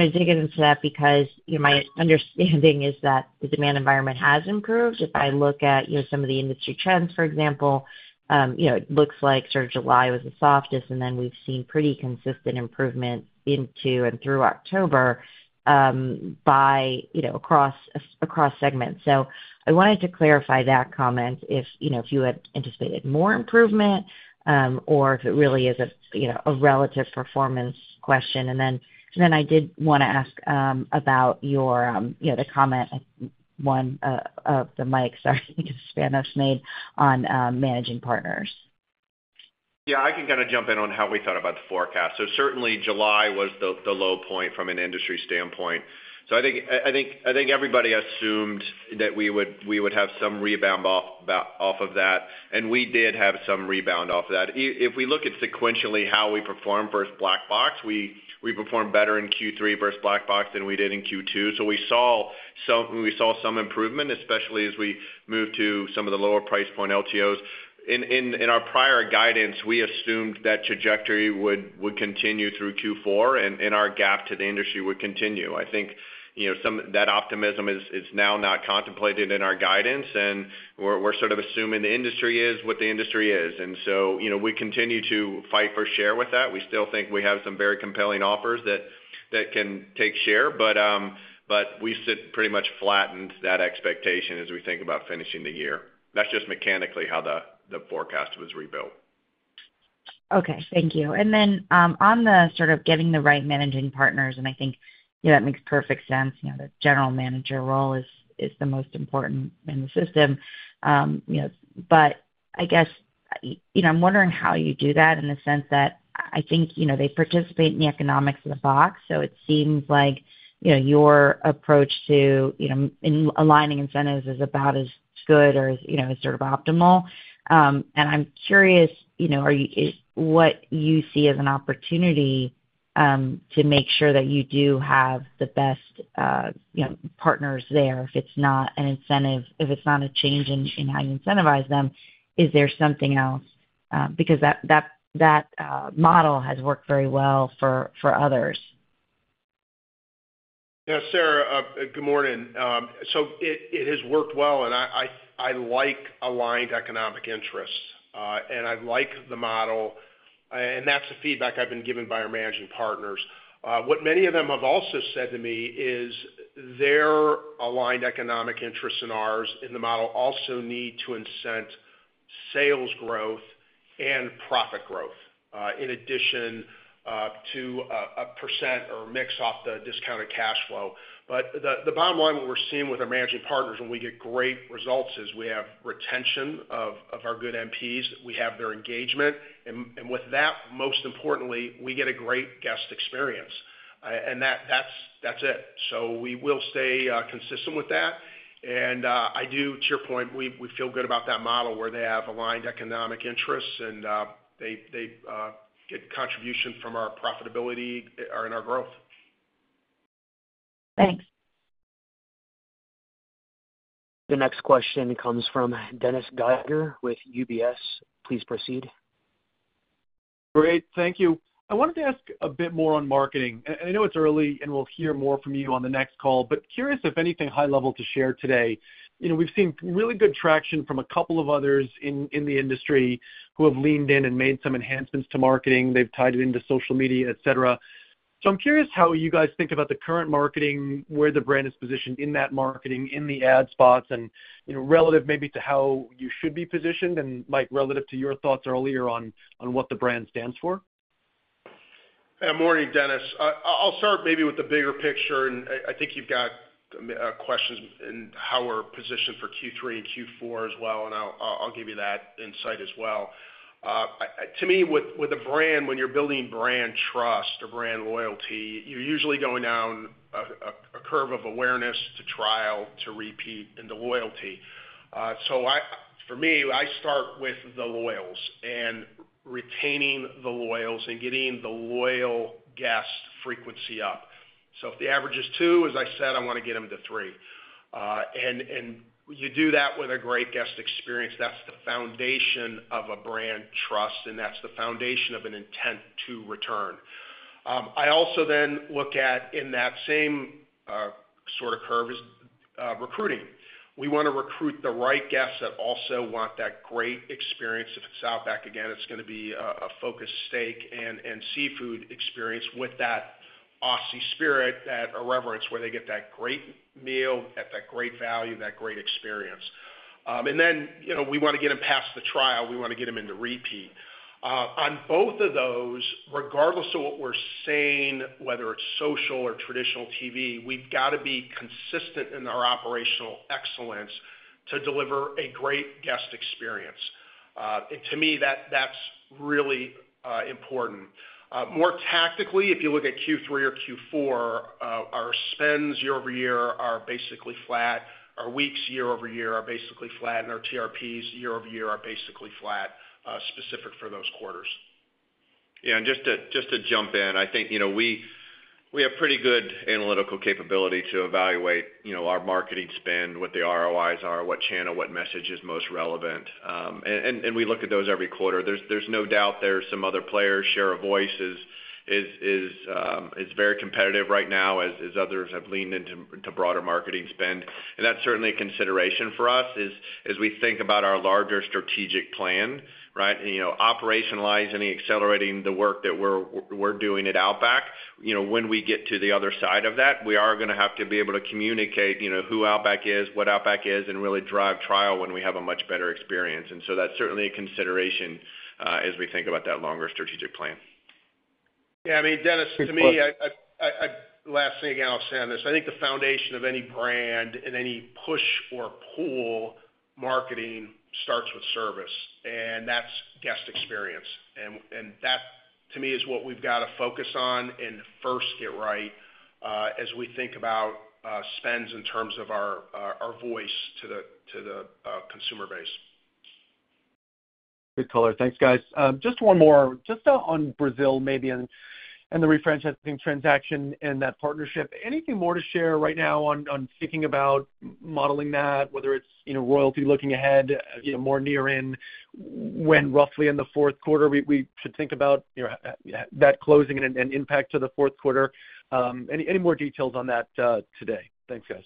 to dig into that because my understanding is that the demand environment has improved. If I look at some of the industry trends, for example, it looks like sort of July was the softest, and then we've seen pretty consistent improvement into and through October across segments. So I wanted to clarify that comment if you had anticipated more improvement or if it really is a relative performance question. And then I did want to ask about the comment that Mike Spanos made on managing partners. Yeah. I can kind of jump in on how we thought about the forecast. So certainly, July was the low point from an industry standpoint. So I think everybody assumed that we would have some rebound off of that, and we did have some rebound off of that. If we look at sequentially how we performed versus Black Box, we performed better in Q3 versus Black Box than we did in Q2. So we saw some improvement, especially as we moved to some of the lower price point LTOs. In our prior guidance, we assumed that trajectory would continue through Q4, and our gap to the industry would continue. I think that optimism is now not contemplated in our guidance, and we're sort of assuming the industry is what the industry is. And so we continue to fight for share with that. We still think we have some very compelling offers that can take share, but we set pretty much flattened that expectation as we think about finishing the year. That's just mechanically how the forecast was rebuilt. Okay. Thank you. And then on the sort of getting the right managing partners, and I think that makes perfect sense. The general manager role is the most important in the system. But I guess I'm wondering how you do that in the sense that I think they participate in the economics of the box. So it seems like your approach to aligning incentives is about as good or is sort of optimal. And I'm curious what you see as an opportunity to make sure that you do have the best partners there. If it's not an incentive, if it's not a change in how you incentivize them, is there something else? Because that model has worked very well for others. Yeah. Sara, good morning. So it has worked well, and I like aligned economic interests, and I like the model. And that's the feedback I've been given by our managing partners. What many of them have also said to me is their aligned economic interests and ours in the model also need to incent sales growth and profit growth in addition to a percent or mix off the discounted cash flow. But the bottom line, what we're seeing with our managing partners when we get great results, is we have retention of our good MPs. We have their engagement. And with that, most importantly, we get a great guest experience. And that's it. So we will stay consistent with that. And I do, to your point, we feel good about that model where they have aligned economic interests, and they get contribution from our profitability and our growth. Thanks. The next question comes from Dennis Geiger with UBS. Please proceed. Great. Thank you. I wanted to ask a bit more on marketing. And I know it's early, and we'll hear more from you on the next call, but curious if anything high level to share today. We've seen really good traction from a couple of others in the industry who have leaned in and made some enhancements to marketing. They've tied it into social media, etc. So I'm curious how you guys think about the current marketing, where the brand is positioned in that marketing, in the ad spots, and relative maybe to how you should be positioned and relative to your thoughts earlier on what the brand stands for. Hey, morning, Dennis. I'll start maybe with the bigger picture, and I think you've got questions in how we're positioned for Q3 and Q4 as well, and I'll give you that insight as well. To me, with a brand, when you're building brand trust or brand loyalty, you're usually going down a curve of awareness to trial to repeat and the loyalty. So for me, I start with the loyals and retaining the loyals and getting the loyal guest frequency up. So if the average is two, as I said, I want to get them to three. And you do that with a great guest experience. That's the foundation of a brand trust, and that's the foundation of an intent to return. I also then look at in that same sort of curve is recruiting. We want to recruit the right guests that also want that great experience. If it's Outback, again, it's going to be a focused steak and seafood experience with that Aussie spirit, that irreverence where they get that great meal, that great value, that great experience, and then we want to get them past the trial. We want to get them into repeat. On both of those, regardless of what we're saying, whether it's social or traditional TV, we've got to be consistent in our operational excellence to deliver a great guest experience, and to me, that's really important. More tactically, if you look at Q3 or Q4, our spends year over year are basically flat. Our weeks year over year are basically flat, and our TRPs year over year are basically flat specific for those quarters. Yeah, and just to jump in, I think we have pretty good analytical capability to evaluate our marketing spend, what the ROIs are, what channel, what message is most relevant, and we look at those every quarter. There's no doubt there's some other players. Share of voice is very competitive right now as others have leaned into broader marketing spend, and that's certainly a consideration for us as we think about our larger strategic plan, right? Operationalizing and accelerating the work that we're doing at Outback. When we get to the other side of that, we are going to have to be able to communicate who Outback is, what Outback is, and really drive trial when we have a much better experience, and so that's certainly a consideration as we think about that longer strategic plan. Yeah. I mean, Dennis, to me, last thing I'll say on this, I think the foundation of any brand and any push or pull marketing starts with service, and that's guest experience. And that, to me, is what we've got to focus on and first get right as we think about spends in terms of our voice to the consumer base. Good color. Thanks, guys. Just one more. Just on Brazil maybe and the refranchising transaction and that partnership. Anything more to share right now on thinking about modeling that, whether it's royalty looking ahead, more near in when roughly in the fourth quarter we should think about that closing and impact to the fourth quarter? Any more details on that today? Thanks, guys.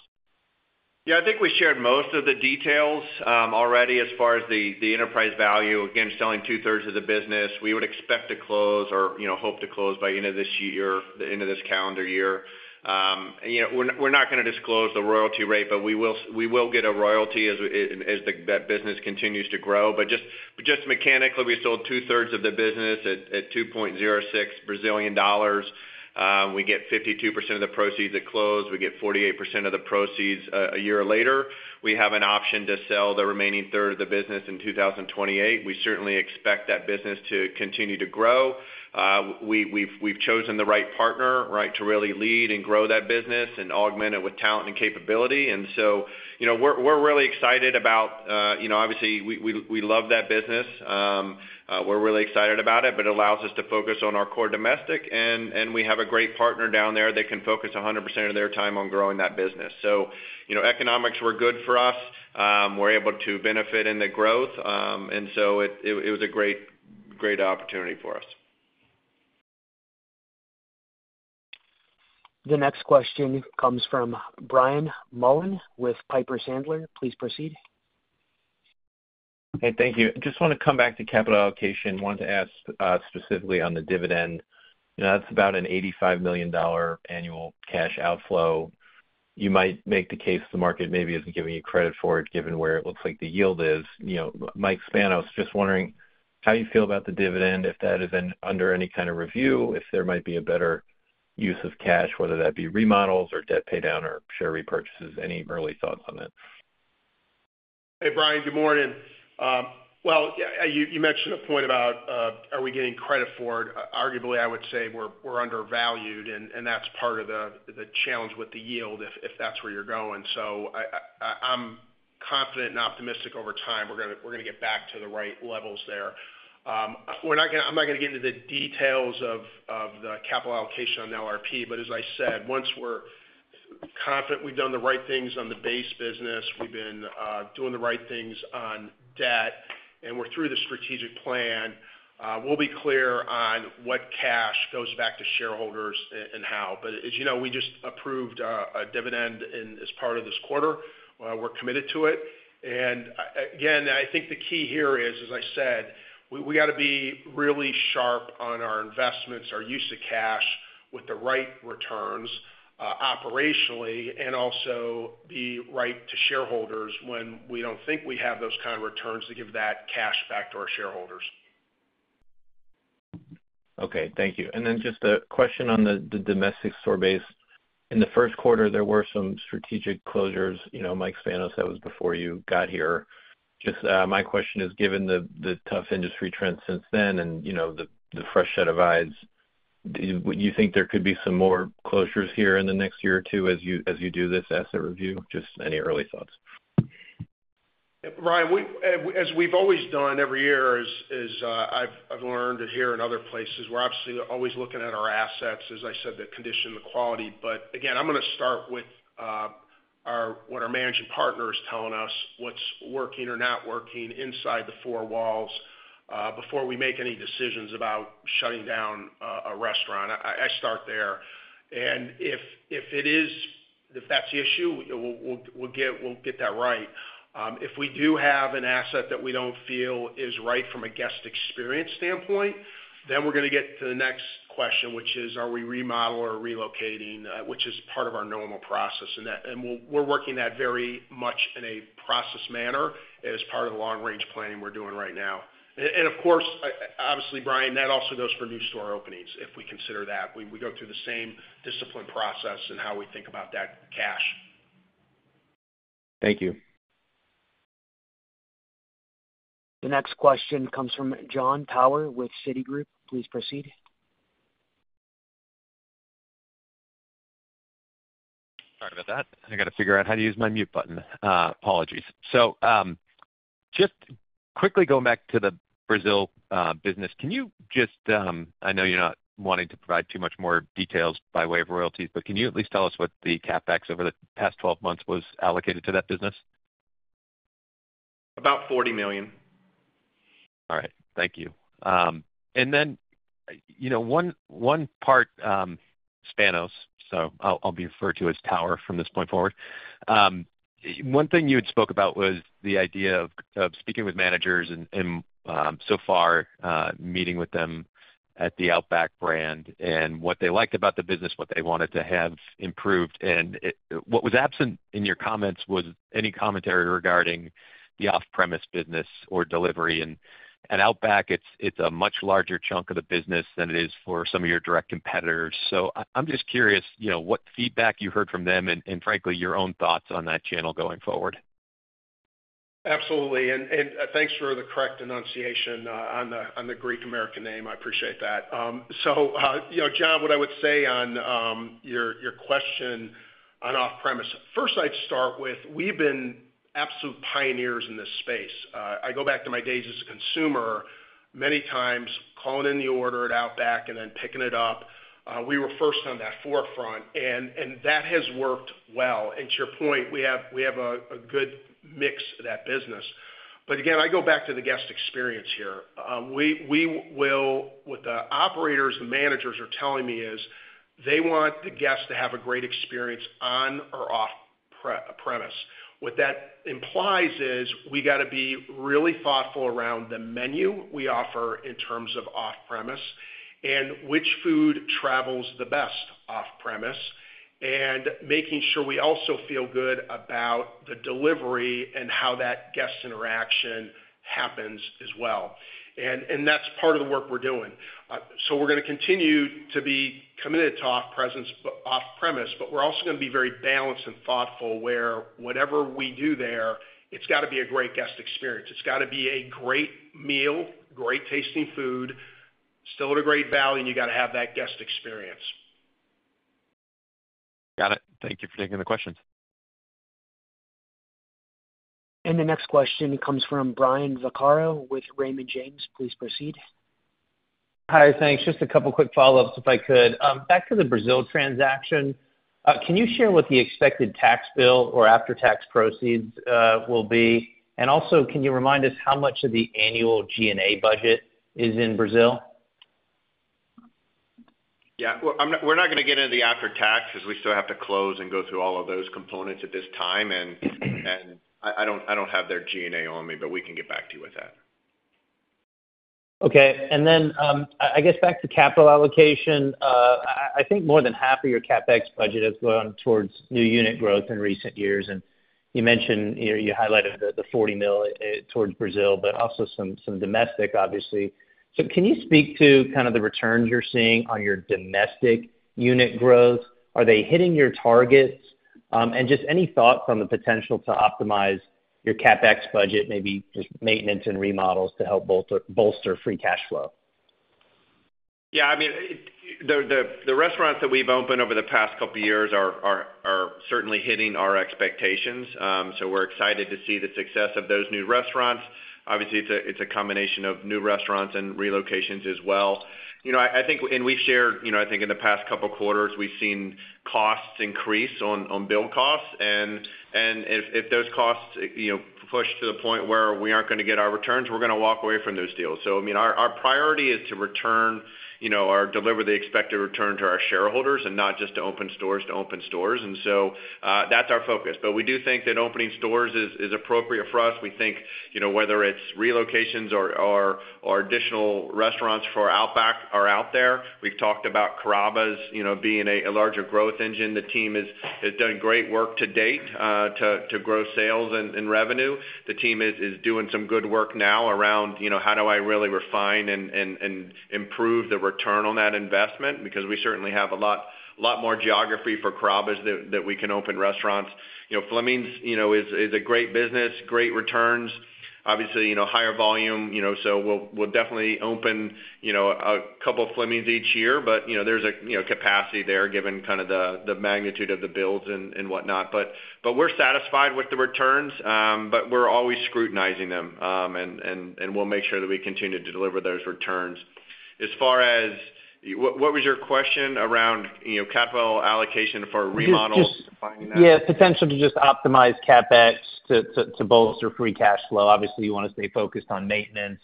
Yeah. I think we shared most of the details already as far as the enterprise value. Again, selling two-thirds of the business, we would expect to close or hope to close by the end of this year, the end of this calendar year. We're not going to disclose the royalty rate, but we will get a royalty as that business continues to grow. But just mechanically, we sold two-thirds of the business at BRL 2.06. We get 52% of the proceeds at close. We get 48% of the proceeds a year later. We have an option to sell the remaining third of the business in 2028. We certainly expect that business to continue to grow. We've chosen the right partner, right, to really lead and grow that business and augment it with talent and capability. And so we're really excited about, obviously, we love that business. We're really excited about it, but it allows us to focus on our core domestic, and we have a great partner down there that can focus 100% of their time on growing that business. So economics were good for us. We're able to benefit in the growth. And so it was a great opportunity for us. The next question comes from Brian Mullan with Piper Sandler. Please proceed. Hey, thank you. Just want to come back to capital allocation. Wanted to ask specifically on the dividend. That's about an $85 million annual cash outflow. You might make the case the market maybe isn't giving you credit for it given where it looks like the yield is. Mike Spanos, just wondering how you feel about the dividend, if that is under any kind of review, if there might be a better use of cash, whether that be remodels or debt paydown or share repurchases. Any early thoughts on that? Hey, Brian. Good morning. Well, you mentioned a point about are we getting credit for it? Arguably, I would say we're undervalued, and that's part of the challenge with the yield if that's where you're going. So I'm confident and optimistic over time we're going to get back to the right levels there. I'm not going to get into the details of the capital allocation on LRP, but as I said, once we're confident we've done the right things on the base business, we've been doing the right things on debt, and we're through the strategic plan, we'll be clear on what cash goes back to shareholders and how. But as you know, we just approved a dividend as part of this quarter. We're committed to it. And again, I think the key here is, as I said, we got to be really sharp on our investments, our use of cash with the right returns operationally, and also be right to shareholders when we don't think we have those kind of returns to give that cash back to our shareholders. Okay. Thank you. And then just a question on the domestic store base. In the first quarter, there were some strategic closures. Mike Spanos, that was before you got here. Just my question is, given the tough industry trends since then and the fresh set of eyes, do you think there could be some more closures here in the next year or two as you do this asset review? Just any early thoughts? Brian, as we've always done every year, as I've learned here and other places, we're absolutely always looking at our assets, as I said, the condition, the quality. But again, I'm going to start with what our managing partner is telling us, what's working or not working inside the four walls before we make any decisions about shutting down a restaurant. I start there. And if that's the issue, we'll get that right. If we do have an asset that we don't feel is right from a guest experience standpoint, then we're going to get to the next question, which is, are we remodeling or relocating, which is part of our normal process? And we're working that very much in a process manner as part of the long-range planning we're doing right now. And of course, obviously, Brian, that also goes for new store openings if we consider that. We go through the same discipline process in how we think about that cash. Thank you. The next question comes from Jon Tower with Citigroup. Please proceed. Sorry about that. I got to figure out how to use my mute button. Apologies. Just quickly going back to the Brazil business, can you just, I know you're not wanting to provide too much more details by way of royalties, but can you at least tell us what the CapEx over the past 12 months was allocated to that business? About $40 million. All right. Thank you. And then one part, Spanos, so I'll be referred to as Tower from this point forward. One thing you had spoke about was the idea of speaking with managers and so far meeting with them at the Outback brand and what they liked about the business, what they wanted to have improved. And what was absent in your comments was any commentary regarding the off-premise business or delivery. And Outback, it's a much larger chunk of the business than it is for some of your direct competitors. So I'm just curious what feedback you heard from them and, frankly, your own thoughts on that channel going forward. Absolutely. And thanks for the correct enunciation on the Greek-American name. I appreciate that. So Jon, what I would say on your question on off-premise, first I'd start with we've been absolute pioneers in this space. I go back to my days as a consumer, many times calling in the order at Outback and then picking it up. We were first on that forefront, and that has worked well. And to your point, we have a good mix of that business. But again, I go back to the guest experience here. What the operators, the managers are telling me is they want the guests to have a great experience on or off-premise. What that implies is we got to be really thoughtful around the menu we offer in terms of off-premise and which food travels the best off-premise and making sure we also feel good about the delivery and how that guest interaction happens as well, and that's part of the work we're doing, so we're going to continue to be committed to off-premise, but we're also going to be very balanced and thoughtful where whatever we do there, it's got to be a great guest experience. It's got to be a great meal, great tasting food, still at a great value, and you got to have that guest experience. Got it. Thank you for taking the questions. And the next question comes from Brian Vaccaro with Raymond James. Please proceed. Hi, thanks. Just a couple of quick follow-ups if I could. Back to the Brazil transaction, can you share what the expected tax bill or after-tax proceeds will be? And also, can you remind us how much of the annual G&A budget is in Brazil? Yeah. We're not going to get into the after-tax because we still have to close and go through all of those components at this time. And I don't have their G&A on me, but we can get back to you with that. Okay. And then I guess back to capital allocation, I think more than half of your CapEx budget has gone towards new unit growth in recent years. And you mentioned you highlighted the $40 million towards Brazil, but also some domestic, obviously. So can you speak to kind of the returns you're seeing on your domestic unit growth? Are they hitting your targets? And just any thought on the potential to optimize your CapEx budget, maybe just maintenance and remodels to help bolster free cash flow? Yeah. I mean, the restaurants that we've opened over the past couple of years are certainly hitting our expectations. So we're excited to see the success of those new restaurants. Obviously, it's a combination of new restaurants and relocations as well. I think, and we've shared, I think in the past couple of quarters, we've seen costs increase on build costs. And if those costs push to the point where we aren't going to get our returns, we're going to walk away from those deals. So I mean, our priority is to return or deliver the expected return to our shareholders and not just to open stores to open stores. And so that's our focus. But we do think that opening stores is appropriate for us. We think whether it's relocations or additional restaurants for Outback are out there. We've talked about Carrabba's being a larger growth engine. The team has done great work to date to grow sales and revenue. The team is doing some good work now around how do I really refine and improve the return on that investment because we certainly have a lot more geography for Carrabba's that we can open restaurants. Fleming's is a great business, great returns. Obviously, higher volume. So we'll definitely open a couple of Fleming's each year, but there's a capacity there given kind of the magnitude of the builds and whatnot. But we're satisfied with the returns, but we're always scrutinizing them, and we'll make sure that we continue to deliver those returns. As far as what was your question around capital allocation for remodels? Yeah. Potential to just optimize CapEx to bolster free cash flow. Obviously, you want to stay focused on maintenance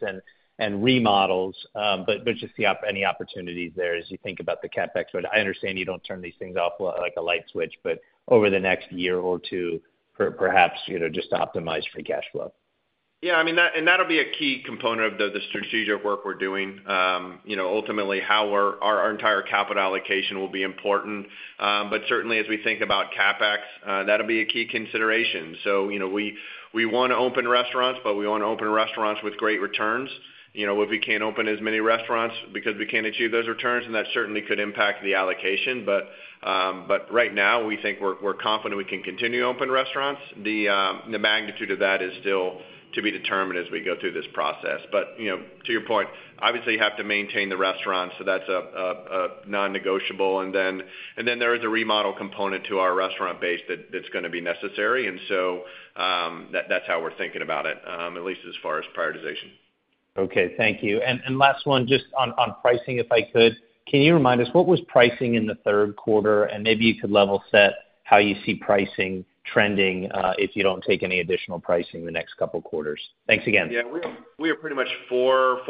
and remodels, but just see any opportunities there as you think about the CapEx. But I understand you don't turn these things off like a light switch, but over the next year or two, perhaps just to optimize free cash flow. Yeah. I mean, and that'll be a key component of the strategic work we're doing. Ultimately, how our entire capital allocation will be important. But certainly, as we think about CapEx, that'll be a key consideration. So we want to open restaurants, but we want to open restaurants with great returns. If we can't open as many restaurants because we can't achieve those returns, then that certainly could impact the allocation. But right now, we think we're confident we can continue to open restaurants. The magnitude of that is still to be determined as we go through this process. But to your point, obviously, you have to maintain the restaurants, so that's a non-negotiable. And then there is a remodel component to our restaurant base that's going to be necessary. And so that's how we're thinking about it, at least as far as prioritization. Okay. Thank you. And last one, just on pricing, if I could, can you remind us what was pricing in the third quarter? And maybe you could level set how you see pricing trending if you don't take any additional pricing the next couple of quarters. Thanks again. Yeah. We are pretty much 4%.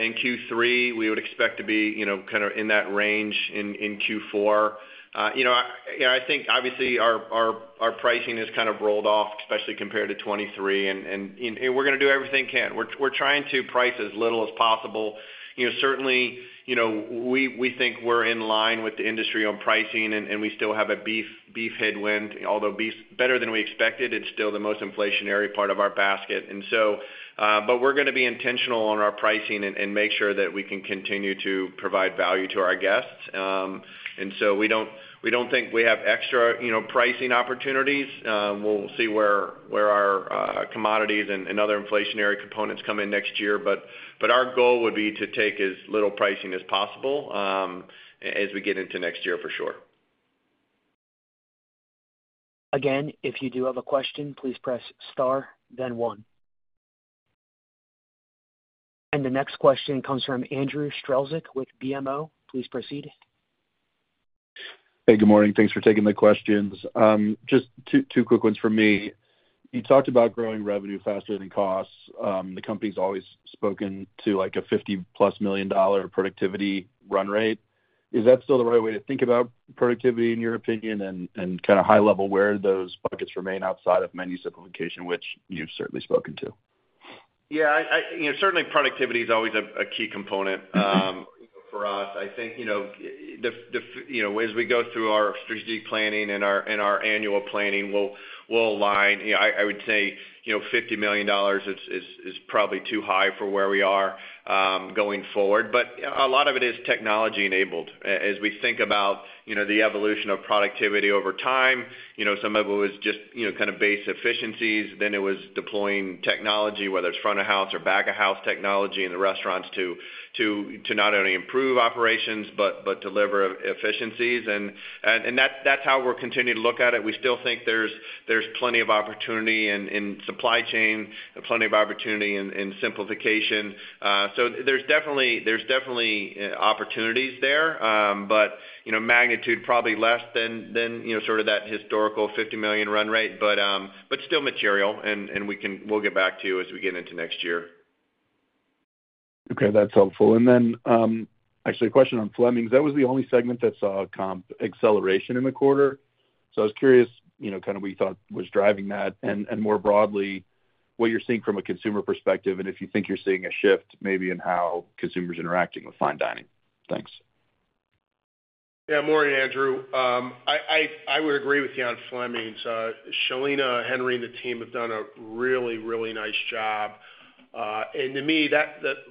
In Q3, we would expect to be kind of in that range in Q4. I think, obviously, our pricing has kind of rolled off, especially compared to 2023. And we're going to do everything we can. We're trying to price as little as possible. Certainly, we think we're in line with the industry on pricing, and we still have a beef headwind, although beef is better than we expected. It's still the most inflationary part of our basket. But we're going to be intentional on our pricing and make sure that we can continue to provide value to our guests. And so we don't think we have extra pricing opportunities. We'll see where our commodities and other inflationary components come in next year. But our goal would be to take as little pricing as possible as we get into next year, for sure. Again, if you do have a question, please press star, then one, and the next question comes from Andrew Strelzik with BMO. Please proceed. Hey, good morning. Thanks for taking the questions. Just two quick ones for me. You talked about growing revenue faster than costs. The company's always spoken to a $50-plus million productivity run rate. Is that still the right way to think about productivity, in your opinion, and kind of high level where those buckets remain outside of menu simplification, which you've certainly spoken to? Yeah. Certainly, productivity is always a key component for us. I think as we go through our strategic planning and our annual planning, we'll align. I would say $50 million is probably too high for where we are going forward. But a lot of it is technology-enabled. As we think about the evolution of productivity over time, some of it was just kind of base efficiencies. Then it was deploying technology, whether it's front-of-house or back-of-house technology in the restaurants to not only improve operations but deliver efficiencies. And that's how we're continuing to look at it. We still think there's plenty of opportunity in supply chain, plenty of opportunity in simplification. So there's definitely opportunities there, but magnitude probably less than sort of that historical 50 million run rate, but still material. And we'll get back to you as we get into next year. Okay. That's helpful. And then actually, a question on Fleming's. That was the only segment that saw a comp acceleration in the quarter. So I was curious kind of what you thought was driving that and more broadly what you're seeing from a consumer perspective and if you think you're seeing a shift maybe in how consumers are interacting with fine dining? Thanks. Yeah. Morning, Andrew. I would agree with you on Fleming's. Sheilina Henry and the team have done a really, really nice job, and to me,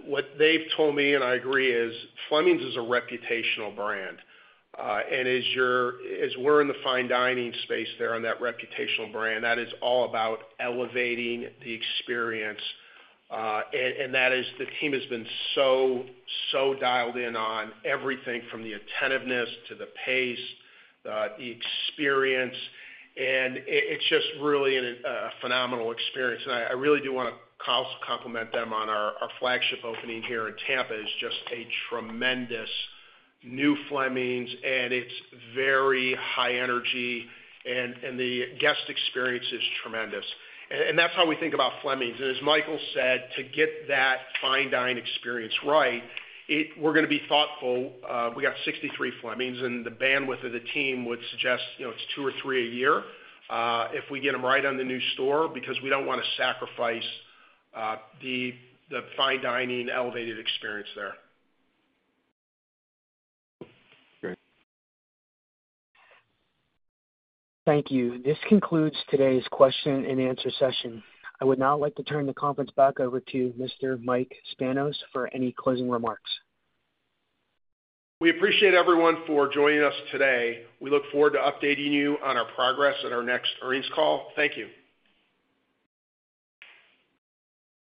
what they've told me, and I agree, is Fleming's is a reputational brand, and as we're in the fine dining space there on that reputational brand, that is all about elevating the experience. The team has been so dialed in on everything from the attentiveness to the pace, the experience. It's just really a phenomenal experience, and I really do want to compliment them on our flagship opening here in Tampa, which is just a tremendous new Fleming's. It's very high energy, and the guest experience is tremendous. That's how we think about Fleming's, and as Michael said, to get that fine dining experience right, we're going to be thoughtful. We got 63 Fleming's. The bandwidth of the team would suggest it's two or three a year if we get them right on the new store because we don't want to sacrifice the fine dining elevated experience there. Great. Thank you. This concludes today's question-and-answer session. I would now like to turn the conference back over to Mr. Mike Spanos for any closing remarks. We appreciate everyone for joining us today. We look forward to updating you on our progress at our next earnings call. Thank you.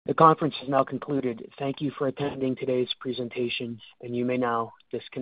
The conference is now concluded. Thank you for attending today's presentation. And you may now disconnect.